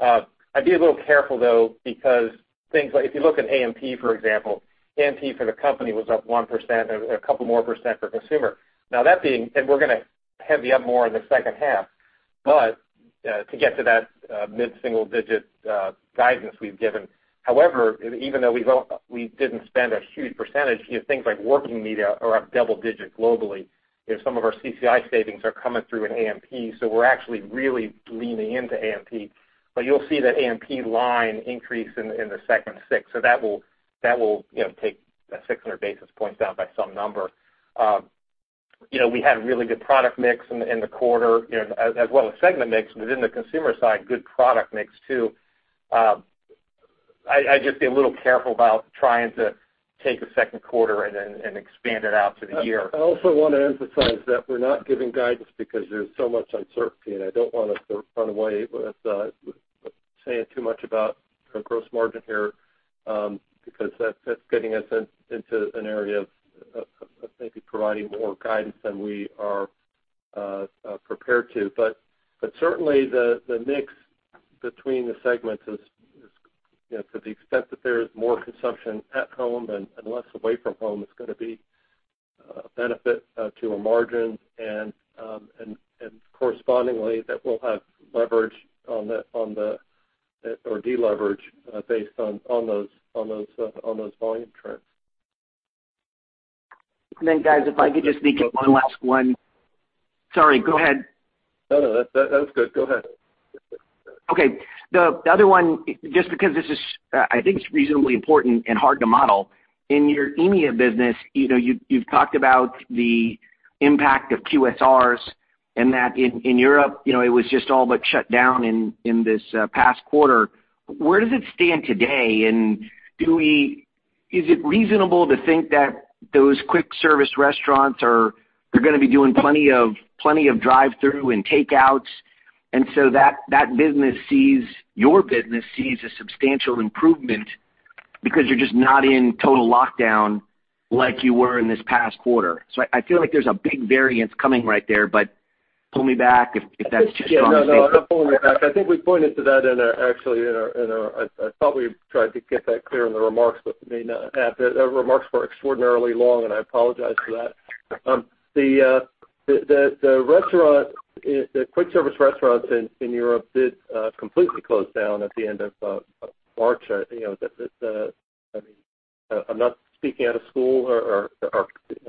I'd be a little careful, though, because things like if you look at A&P, for example, A&P for the company was up 1% and a couple more percent for consumer. We're gonna heavy up more in the second half to get to that mid-single digit guidance we've given. However, even though we didn't spend a huge percentage, things like working media are up double digit globally. Some of our CCI savings are coming through in A&P, so we're actually really leaning into A&P. You'll see the A&P line increase in the second six. That will take that 600 basis points down by some number. We had really good product mix in the quarter, as well as segment mix, but in the consumer side, good product mix too. I'd just be a little careful about trying to take the second quarter and then expand it out to the year. I also want to emphasize that we're not giving guidance because there's so much uncertainty. I don't want us to run away with saying too much about our gross margin here, because that's getting us into an area of maybe providing more guidance than we are prepared to. Certainly, the mix between the segments is, to the extent that there is more consumption at home and less away from home, it's going to be a benefit to our margin and correspondingly, that we'll have leverage or deleverage based on those volume trends. Guys, if I could just sneak in one last one. Sorry, go ahead. No, that's good. Go ahead. Okay. The other one, just because this is, I think it's reasonably important and hard to model. In your EMEA business, you've talked about the impact of QSRs and that in Europe, it was just all but shut down in this past quarter. Where does it stand today? Is it reasonable to think that those quick service restaurants are going to be doing plenty of drive-through and takeouts, and so that your business sees a substantial improvement because you're just not in total lockdown like you were in this past quarter. I feel like there's a big variance coming right there, but pull me back. Yeah, no, I'll pull you back. I think we pointed to that in our, actually, I thought we tried to get that clear in the remarks, but it may not have. The remarks were extraordinarily long, and I apologize for that. The quick service restaurants in Europe did completely close down at the end of March. I'm not speaking out of school.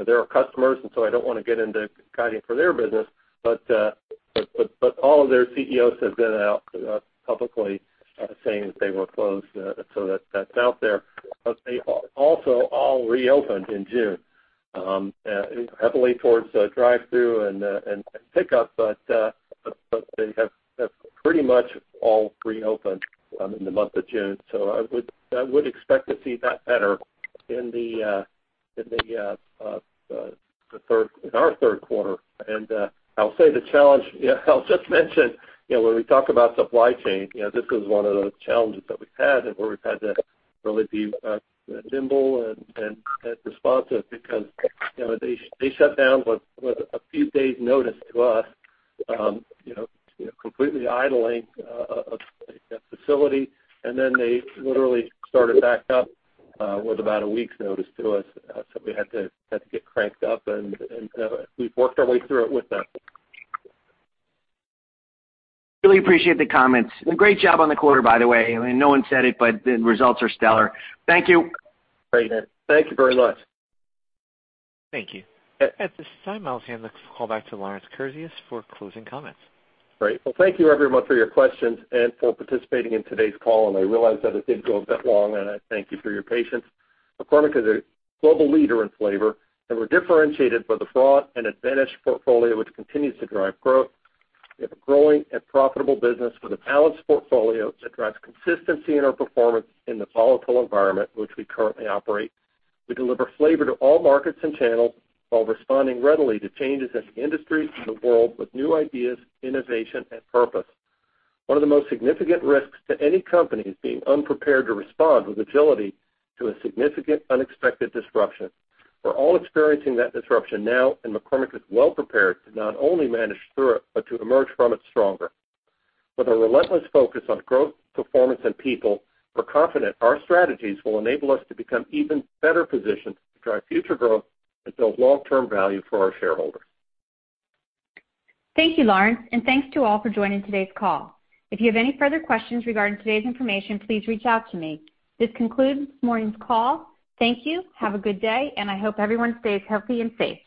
They're our customers. I don't want to get into guiding for their business. All of their CEOs have been out publicly saying that they were closed, so that's out there. They also all reopened in June, heavily towards drive-through and pickup, but they have pretty much all reopened in the month of June. I would expect to see that better in our third quarter. I'll say the challenge, I'll just mention, when we talk about supply chain, this is one of those challenges that we've had and where we've had to really be nimble and responsive because they shut down with a few days notice to us, completely idling a facility, and then they literally started back up with about a week's notice to us. We had to get cranked up, and we've worked our way through it with them. Really appreciate the comments. Great job on the quarter, by the way. No one said it, but the results are stellar. Thank you. Great. Thank you very much. Thank you. At this time, I'll hand the call back to Lawrence Kurzius for closing comments. Great. Well, thank you everyone for your questions and for participating in today's call, and I realize that it did go a bit long, and I thank you for your patience. McCormick is a global leader in flavor, and we're differentiated with a broad and advanced portfolio, which continues to drive growth. We have a growing and profitable business with a balanced portfolio that drives consistency in our performance in the volatile environment in which we currently operate. We deliver flavor to all markets and channels while responding readily to changes in the industry and the world with new ideas, innovation, and purpose. One of the most significant risks to any company is being unprepared to respond with agility to a significant unexpected disruption. We're all experiencing that disruption now, and McCormick is well prepared to not only manage through it, but to emerge from it stronger. With a relentless focus on growth, performance, and people, we're confident our strategies will enable us to become even better positioned to drive future growth and build long-term value for our shareholders. Thank you, Lawrence, and thanks to all for joining today's call. If you have any further questions regarding today's information, please reach out to me. This concludes this morning's call. Thank you, have a good day, and I hope everyone stays healthy and safe.